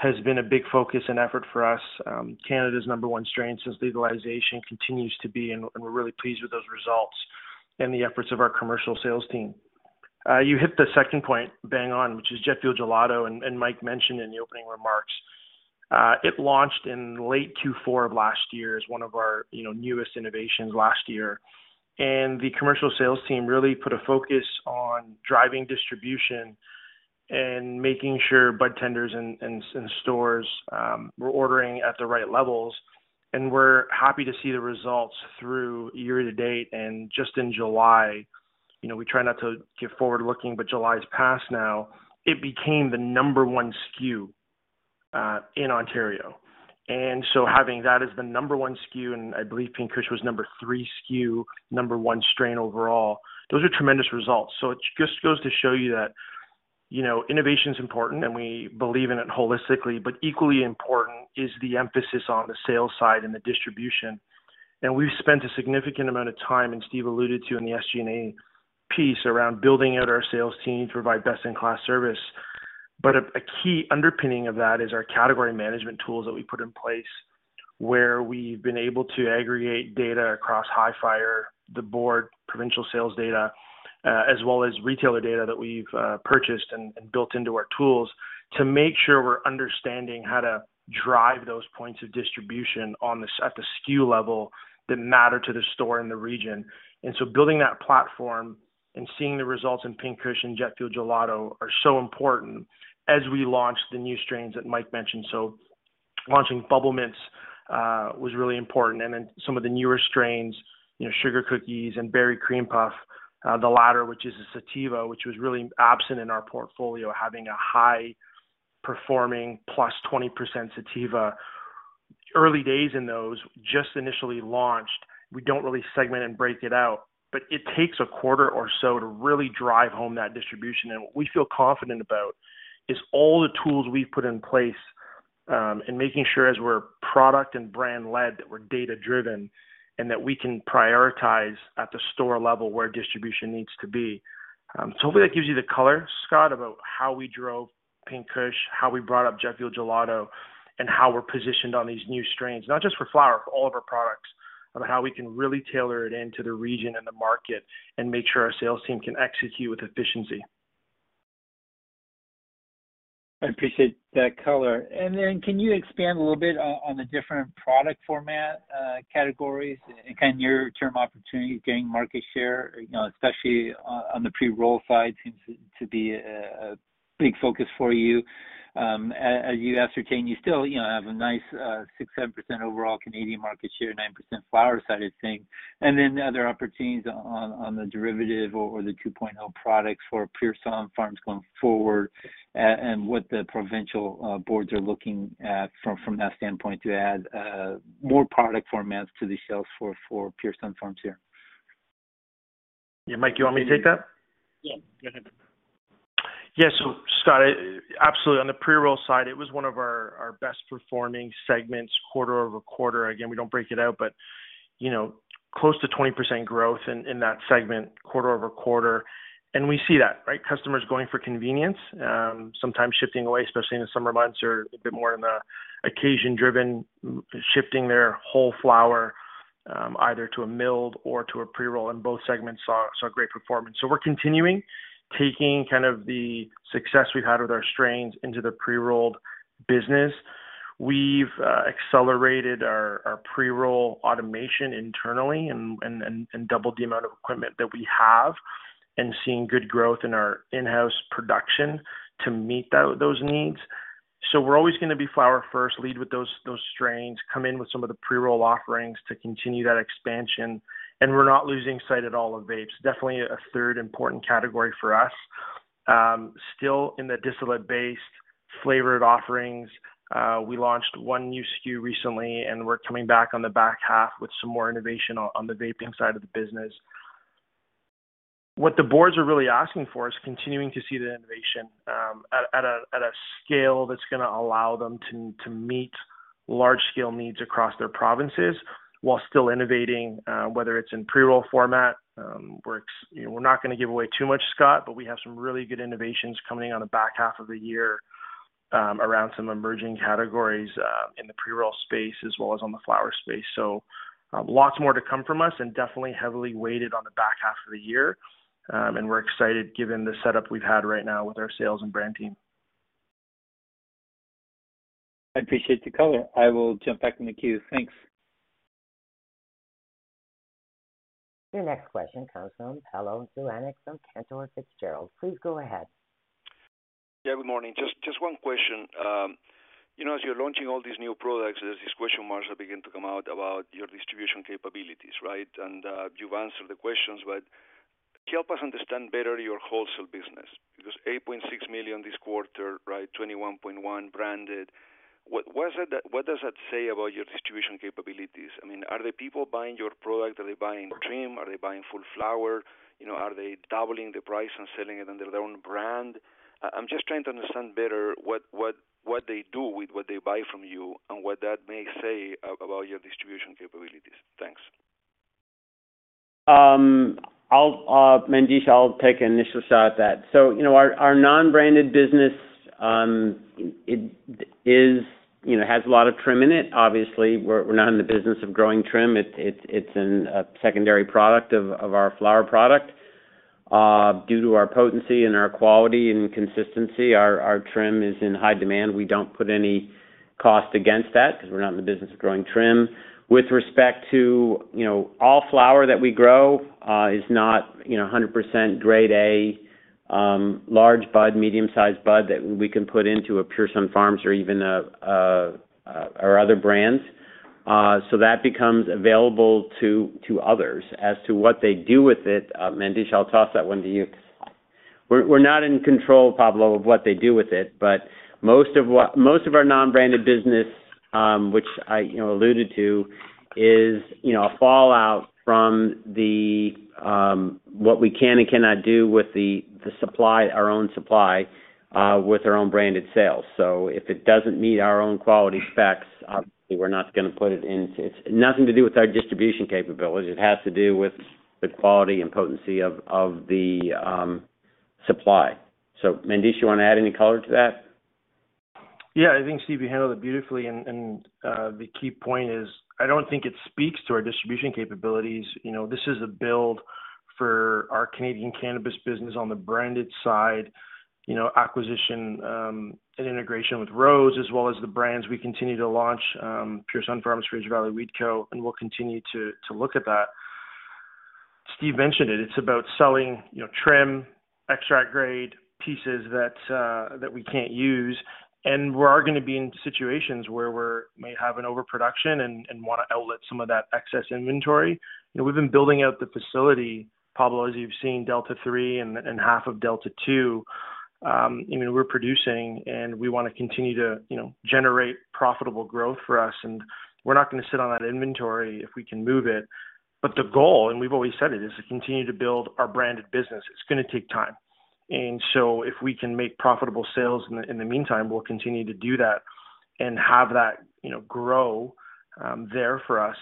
has been a big focus and effort for us. Canada's number one strain since legalization continues to be, and we're really pleased with those results and the efforts of our commercial sales team. You hit the second point bang on, which is Jet Fuel Gelato, and Mike mentioned in the opening remarks. It launched in late Q4 of last year as one of our, you know, newest innovations last year. The commercial sales team really put a focus on driving distribution and making sure budtenders in stores were ordering at the right levels. We're happy to see the results through year to date. Just in July, you know, we try not to get forward-looking, but July is past now, it became the number one SKU in Ontario. Having that as the number one SKU, and I believe Pink Kush was number three SKU, number one strain overall, those are tremendous results. It just goes to show you that, you know, innovation's important, and we believe in it holistically, but equally important is the emphasis on the sales side and the distribution. We've spent a significant amount of time, and Steve alluded to in the SG&A piece, around building out our sales team to provide best-in-class service. A key underpinning of that is our category management tools that we put in place, where we've been able to aggregate data across Hifyre, the board, provincial sales data, as well as retailer data that we've purchased and built into our tools to make sure we're understanding how to drive those points of distribution at the SKU level that matter to the store and the region. Building that platform and seeing the results in Pink Kush and Jet Fuel Gelato are so important as we launch the new strains that Mike mentioned. Launching Bubble Mints was really important. Then some of the newer strains, you know, Sugar Cookies and Berry Cream Puff, the latter, which is a sativa, which was really absent in our portfolio, having a high performing plus 20% sativa. Early days in those just initially launched. We don't really segment and break it out, but it takes a quarter or so to really drive home that distribution. What we feel confident about is all the tools we've put in place, in making sure as we're product and brand led, that we're data-driven, and that we can prioritize at the store level where distribution needs to be. Hopefully that gives you the color, Scott, about how we drove Pink Kush, how we brought up Jet Fuel Gelato, and how we're positioned on these new strains, not just for flower, for all of our products, on how we can really tailor it into the region and the market and make sure our sales team can execute with efficiency. I appreciate that color. Then can you expand a little bit on the different product format categories and kind of near-term opportunities gaining market share, you know, especially on the pre-roll side seems to be a big focus for you? As you ascertain, you still, you know, have a nice 6%-7% overall Canadian market share, 9% flower side of things. Other opportunities on the derivative or the 2.0 products for Pure Sunfarms going forward, and what the provincial boards are looking at from that standpoint to add more product formats to the shelves for Pure Sunfarms here. Yeah. Mike, you want me to take that? Yeah. Go ahead, Mandesh. Yeah. Scott, absolutely. On the pre-roll side, it was one of our best performing segments quarter-over-quarter. Again, we don't break it out, but you know, close to 20% growth in that segment quarter-over-quarter. We see that, right? Customers going for convenience, sometimes shifting away, especially in the summer months or a bit more in the occasion-driven, shifting their whole flower, either to a milled or to a pre-roll, and both segments saw great performance. We're continuing taking kind of the success we've had with our strains into the pre-rolled business. We've accelerated our pre-roll automation internally and doubled the amount of equipment that we have, and seeing good growth in our in-house production to meet those needs. We're always gonna be flower first, lead with those strains, come in with some of the pre-roll offerings to continue that expansion. We're not losing sight at all of vapes. Definitely a third important category for us. Still in the distillate-based flavored offerings. We launched one new SKU recently, and we're coming back on the back half with some more innovation on the vaping side of the business. What the boards are really asking for is continuing to see the innovation at a scale that's gonna allow them to meet large scale needs across their provinces while still innovating, whether it's in pre-roll format. You know, we're not gonna give away too much, Scott, but we have some really good innovations coming on the back half of the year around some emerging categories in the pre-roll space as well as on the flower space. Lots more to come from us and definitely heavily weighted on the back half of the year. We're excited given the setup we've had right now with our sales and brand team. I appreciate the color. I will jump back in the queue. Thanks. Your next question comes from Pablo Zuanic from Cantor Fitzgerald. Please go ahead. Yeah, good morning. Just one question. You know, as you're launching all these new products, there's this question marks that begin to come out about your distribution capabilities, right? You've answered the questions, but help us understand better your wholesale business. Because $8.6 million this quarter, right, $21.1 million branded. What is it that what does that say about your distribution capabilities? I mean, are the people buying your product, are they buying trim? Are they buying full flower? You know, are they doubling the price and selling it under their own brand? I'm just trying to understand better what they do with what they buy from you and what that may say about your distribution capabilities. Thanks. I'll take an initial shot at that. You know, our non-branded business has a lot of trim in it. Obviously, we're not in the business of growing trim. It's a secondary product of our flower product. Due to our potency and our quality and consistency, our trim is in high demand. We don't put any cost against that because we're not in the business of growing trim. With respect to you know all flower that we grow is not you know 100% grade A large bud medium-sized bud that we can put into a Pure Sunfarms or even our other brands. That becomes available to others. As to what they do with it, Mandesh, I'll toss that one to you. We're not in control, Pablo, of what they do with it, but most of our non-branded business, which I, you know, alluded to is, you know, a fallout from what we can and cannot do with the supply, our own supply, with our own branded sales. If it doesn't meet our own quality specs, obviously, we're not gonna put it in. It's nothing to do with our distribution capabilities. It has to do with the quality and potency of the supply. Mandesh, you wanna add any color to that? Yeah. I think Steve, you handled it beautifully and the key point is, I don't think it speaks to our distribution capabilities. You know, this is a build for our Canadian cannabis business on the branded side, you know, acquisition and integration with Rose as well as the brands we continue to launch, Pure Sunfarms, The Original Fraser Valley Weed Co, and we'll continue to look at that. Steve mentioned it's about selling, you know, trim, extract grade pieces that we can't use, and we are gonna be in situations where we may have an overproduction and wanna outlet some of that excess inventory. You know, we've been building out the facility, Pablo, as you've seen Delta 3 and half of Delta 2. You know, we're producing and we wanna continue to, you know, generate profitable growth for us, and we're not gonna sit on that inventory if we can move it. The goal, and we've always said it, is to continue to build our branded business. It's gonna take time. If we can make profitable sales in the meantime, we'll continue to do that and have that, you know, grow there for us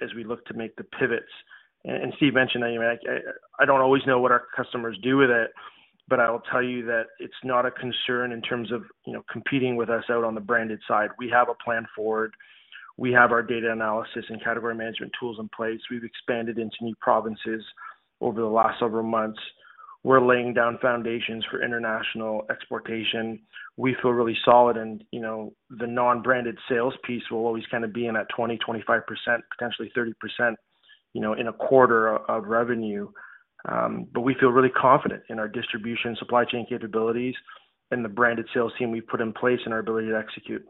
as we look to make the pivots. Steve mentioned that, you know, I don't always know what our customers do with it, but I will tell you that it's not a concern in terms of, you know, competing with us out on the branded side. We have a plan forward. We have our data analysis and category management tools in place. We've expanded into new provinces over the last several months. We're laying down foundations for international exportation. We feel really solid and, you know, the non-branded sales piece will always kind of be in a 20%-25%, potentially 30%, you know, in a quarter of revenue. We feel really confident in our distribution supply chain capabilities and the branded sales team we've put in place and our ability to execute.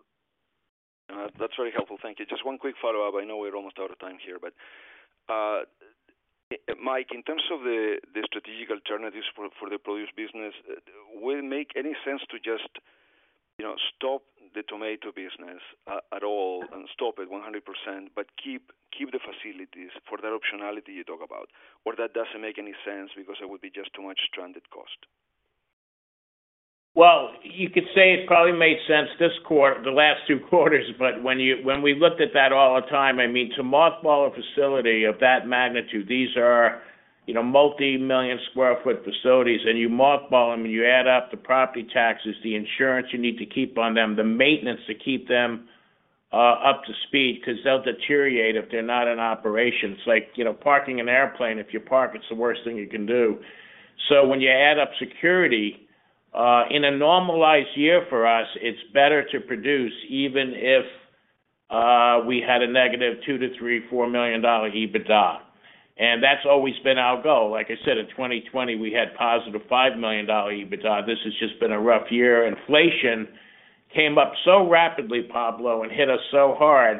That's very helpful. Thank you. Just one quick follow-up. I know we're almost out of time here, but Mike, in terms of the strategic alternatives for the produce business, will it make any sense to just, you know, stop the tomato business at all and stop it 100%, but keep the facilities for that optionality you talk about? Or that doesn't make any sense because it would be just too much stranded cost? Well, you could say it probably made sense the last two quarters, but when we looked at that all the time, I mean, to mothball a facility of that magnitude, these are, you know, multi-million sq ft facilities, and you mothball them, and you add up the property taxes, the insurance you need to keep on them, the maintenance to keep them up to speed because they'll deteriorate if they're not in operation. It's like, you know, parking an airplane. If you park, it's the worst thing you can do. When you add up SG&A in a normalized year for us, it's better to produce even if we had a negative $2 to $3-$4 million EBITDA. That's always been our goal. Like I said, in 2020 we had positive $5 million EBITDA. This has just been a rough year. Inflation came up so rapidly, Pablo, and hit us so hard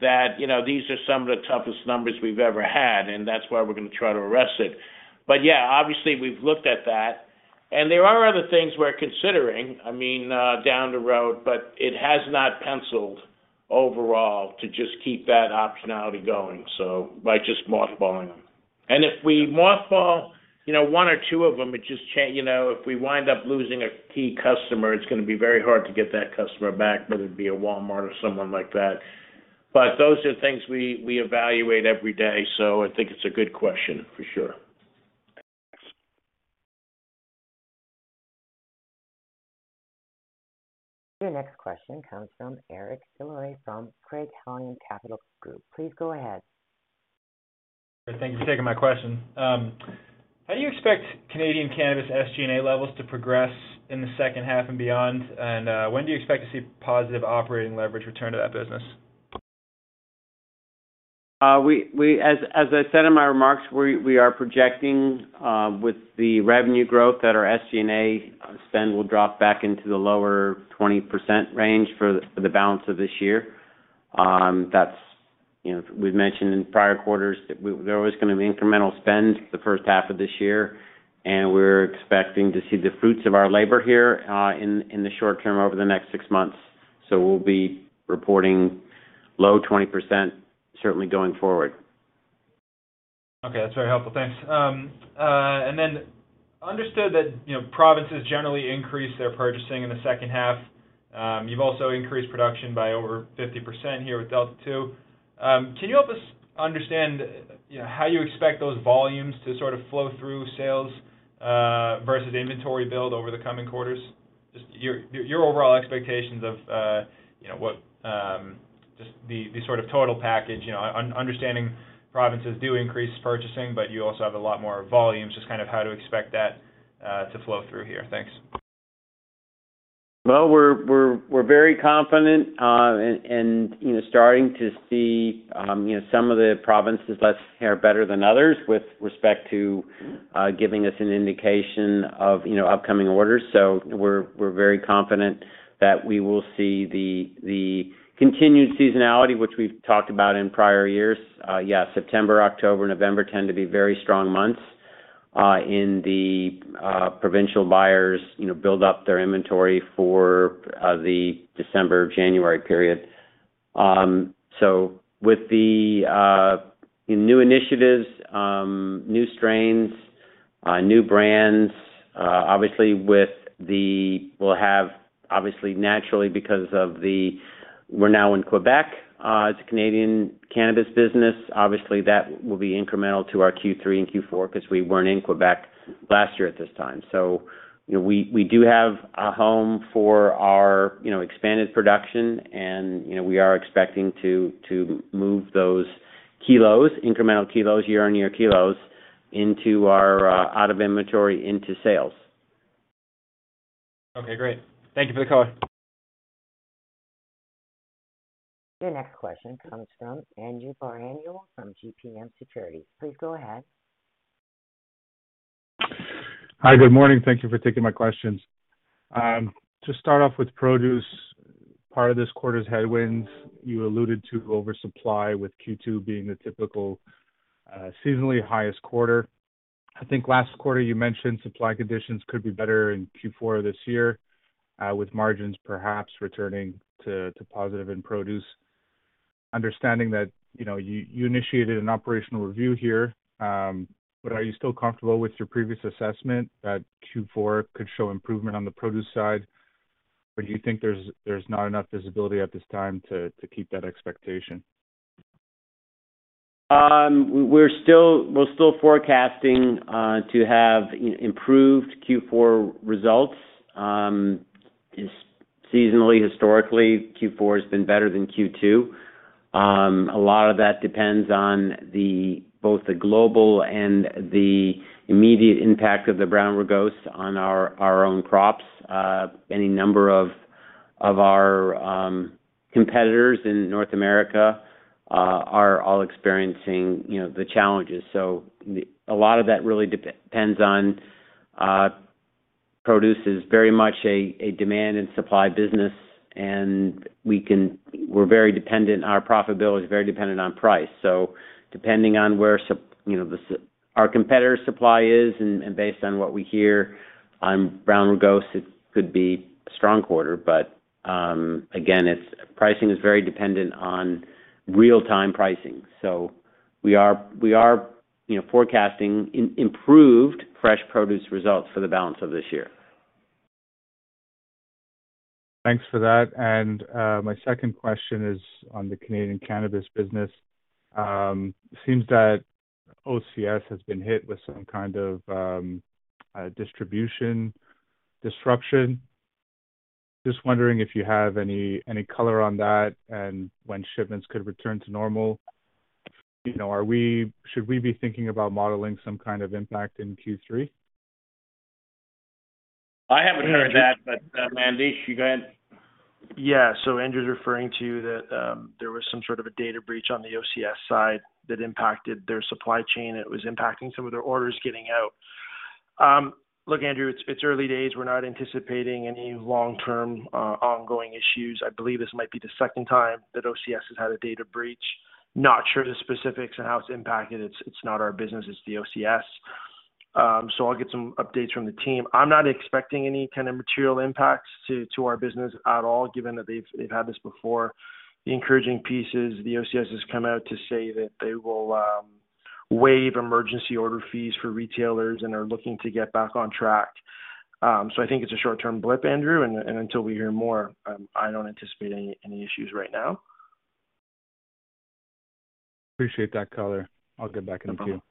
that, you know, these are some of the toughest numbers we've ever had, and that's why we're gonna try to arrest it. Yeah, obviously we've looked at that. There are other things we're considering, I mean, down the road, but it has not penciled overall to just keep that optionality going, so by just mothballing them. If we mothball, you know, one or two of them, it just, you know, if we wind up losing a key customer, it's gonna be very hard to get that customer back, whether it be a Walmart or someone like that. Those are things we evaluate every day, so I think it's a good question for sure. Your next question comes from Eric Des Lauriers from Craig-Hallum Capital Group. Please go ahead. Thank you for taking my question. How do you expect Canadian Cannabis SG&A levels to progress in the second half and beyond? When do you expect to see positive operating leverage return to that business? As I said in my remarks, we are projecting with the revenue growth that our SG&A spend will drop back into the lower 20% range for the balance of this year. That's, you know, we've mentioned in prior quarters that there was gonna be incremental spend the first half of this year, and we're expecting to see the fruits of our labor here in the short term over the next six months. We'll be reporting low 20% certainly going forward. Okay. That's very helpful. Thanks. Understood that, you know, provinces generally increase their purchasing in the second half. You've also increased production by over 50% here with Delta 2. Can you help us understand, you know, how you expect those volumes to sort of flow through sales versus inventory build over the coming quarters? Just your overall expectations of, you know, what, just the sort of total package, you know. Understanding provinces do increase purchasing, but you also have a lot more volume. Just kind of how to expect that to flow through here. Thanks. Well, we're very confident in you know starting to see you know some of the provinces less or better than others with respect to giving us an indication of you know upcoming orders. We're very confident that we will see the continued seasonality which we've talked about in prior years. September, October, November tend to be very strong months in the provincial buyers you know build up their inventory for the December-January period. With the new initiatives, new strains, new brands. We're now in Quebec as a Canadian cannabis business. Obviously that will be incremental to our Q3 and Q4 'cause we weren't in Quebec last year at this time. you know, we do have a home for our, you know, expanded production and, you know, we are expecting to move those kilos, incremental kilos, year-on-year kilos into our, out of inventory into sales. Okay, great. Thank you for the color. Your next question comes from Anju Bohra from GMP Securities. Please go ahead. Hi. Good morning. Thank you for taking my questions. To start off with produce, part of this quarter's headwinds, you alluded to oversupply with Q2 being the typical seasonally highest quarter. I think last quarter you mentioned supply conditions could be better in Q4 this year, with margins perhaps returning to positive in produce. Understanding that, you know, you initiated an operational review here, but are you still comfortable with your previous assessment that Q4 could show improvement on the produce side? Or do you think there's not enough visibility at this time to keep that expectation? We're still forecasting to have improved Q4 results. Seasonally, historically, Q4 has been better than Q2. A lot of that depends on both the global and the immediate impact of the brown rugose on our own crops. Any number of our competitors in North America are all experiencing, you know, the challenges. A lot of that really depends on, produce is very much a demand and supply business, and our profitability is very dependent on price. Depending on where our competitor supply is and based on what we hear on brown rugose, it could be a strong quarter. Again, pricing is very dependent on real-time pricing. We are, you know, forecasting improved fresh produce results for the balance of this year. Thanks for that. My second question is on the Canadian cannabis business. Seems that OCS has been hit with some kind of distribution disruption. Just wondering if you have any color on that and when shipments could return to normal. Should we be thinking about modeling some kind of impact in Q3? I haven't heard that, but, Mandesh, you go ahead. Yeah. Anju's referring to that, there was some sort of a data breach on the OCS side that impacted their supply chain. It was impacting some of their orders getting out. Look, Anju, it's early days. We're not anticipating any long-term, ongoing issues. I believe this might be the second time that OCS has had a data breach. Not sure of the specifics and how it's impacted. It's not our business, it's the OCS. I'll get some updates from the team. I'm not expecting any kind of material impacts to our business at all, given that they've had this before. The encouraging piece is the OCS has come out to say that they will waive emergency order fees for retailers and are looking to get back on track. I think it's a short-term blip, Anju, and until we hear more, I don't anticipate any issues right now. Appreciate that color. I'll get back in the queue. No problem.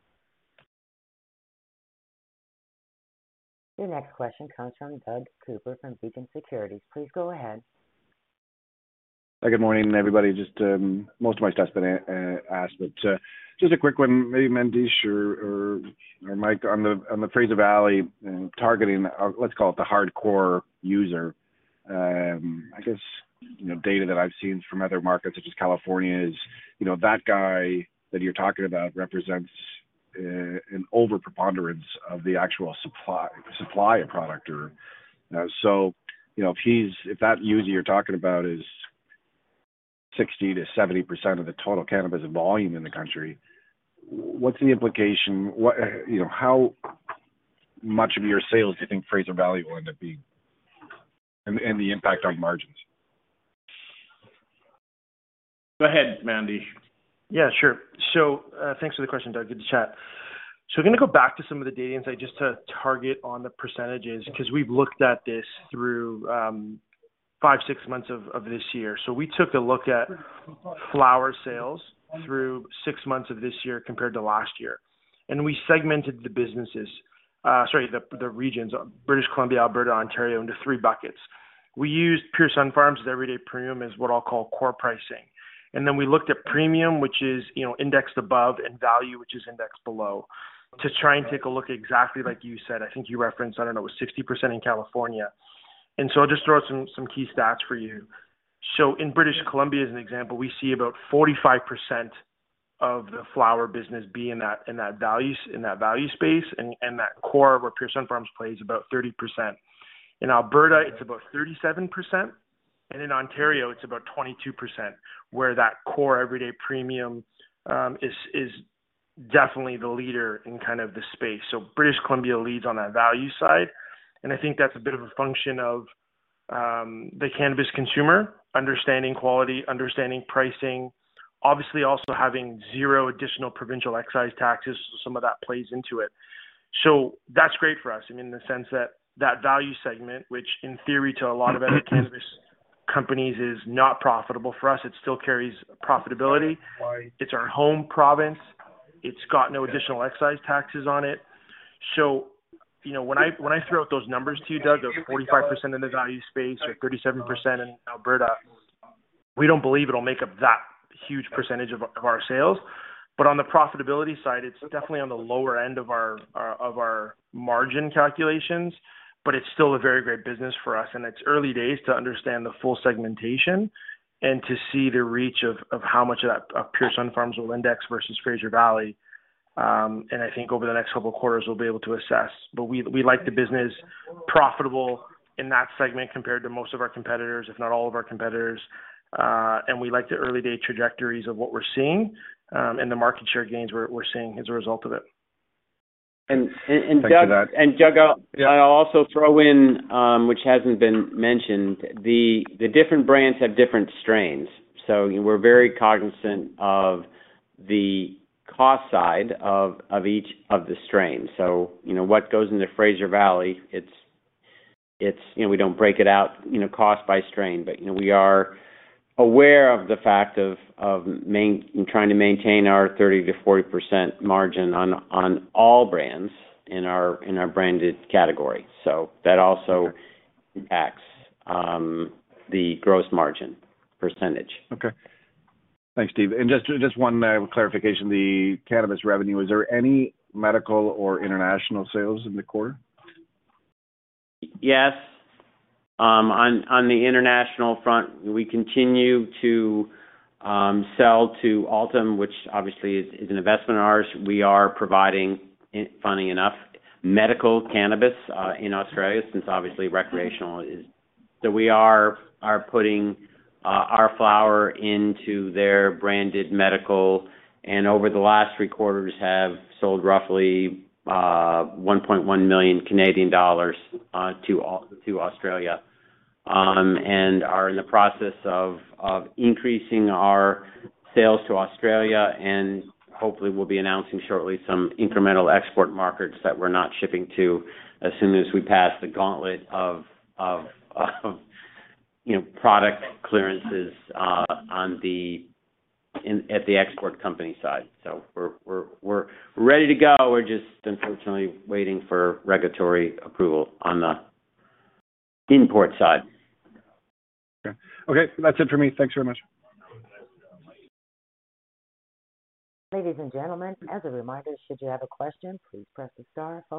Your next question comes from Doug Cooper from Beacon Securities. Please go ahead. Good morning, everybody. Just, most of my stuff's been asked, but, just a quick one, maybe Mandesh or Mike, on the, on the Fraser Valley and targeting, let's call it the hardcore user. I guess, you know, data that I've seen from other markets such as California is, you know, that guy that you're talking about represents an overrepresentation of the actual supply of product or. So, you know, if that user you're talking about is 60%-70% of the total cannabis volume in the country, what's the implication? What, you know, how much of your sales do you think Fraser Valley will end up being and, the impact on margins? Go ahead, Mandesh. Yeah, sure. Thanks for the question, Doug. Good to chat. We're gonna go back to some of the data insight just to target on the percentages, because we've looked at this through five, six months of this year. We took a look at flower sales through six months of this year compared to last year. We segmented the regions, British Columbia, Alberta, Ontario, into three buckets. We used Pure Sunfarms as their Everyday Premium as what I'll call core pricing. Then we looked at premium, which is, you know, indexed above, and value, which is indexed below, to try and take a look exactly like you said. I think you referenced, I don't know, it was 60% in California. I'll just throw out some key stats for you. In British Columbia, as an example, we see about 45% of the flower business be in that value space, and that core of where Pure Sunfarms plays about 30%. In Alberta, it's about 37%, and in Ontario it's about 22%, where that core Everyday Premium is definitely the leader in kind of the space. British Columbia leads on that value side, and I think that's a bit of a function of the cannabis consumer understanding quality, understanding pricing, obviously also having zero additional provincial excise taxes, so some of that plays into it. That's great for us, I mean, in the sense that that value segment, which in theory to a lot of other cannabis companies is not profitable for us, it still carries profitability. It's our home province. It's got no additional excise taxes on it. You know, when I throw out those numbers to you, Doug, those 45% in the value space or 37% in Alberta, we don't believe it'll make up that huge percentage of our sales. On the profitability side, it's definitely on the lower end of our margin calculations, but it's still a very great business for us, and it's early days to understand the full segmentation and to see the reach of how much of that Pure Sunfarms will index versus Fraser Valley. I think over the next couple of quarters we'll be able to assess. We like the business profitable in that segment compared to most of our competitors, if not all of our competitors. We like the early-day trajectories of what we're seeing, and the market share gains we're seeing as a result of it. Doug Thanks for that. Doug, I'll also throw in, which hasn't been mentioned, the different brands have different strains. We're very cognizant of the cost side of each of the strains. You know, what goes into Fraser Valley, it's you know, we don't break it out, you know, cost by strain. You know, we are aware of the fact of trying to maintain our 30%-40% margin on all brands in our branded category. That also affects the gross margin percentage. Okay. Thanks, Steve. Just one clarification. The cannabis revenue, is there any medical or international sales in the quarter? Yes. On the international front, we continue to sell to Altum, which obviously is an investment of ours. We are providing, funny enough, medical cannabis in Australia, since obviously recreational is. We are putting our flower into their branded medical, and over the last three quarters have sold roughly CAD 1.1 million to Australia. We are in the process of increasing our sales to Australia, and hopefully we'll be announcing shortly some incremental export markets that we're not shipping to as soon as we pass the gauntlet of you know, product clearances on the export company side. We're ready to go. We're just unfortunately waiting for regulatory approval on the import side. Okay. Okay, that's it for me. Thanks very much. Ladies and gentlemen, as a reminder, should you have a question, please press star followed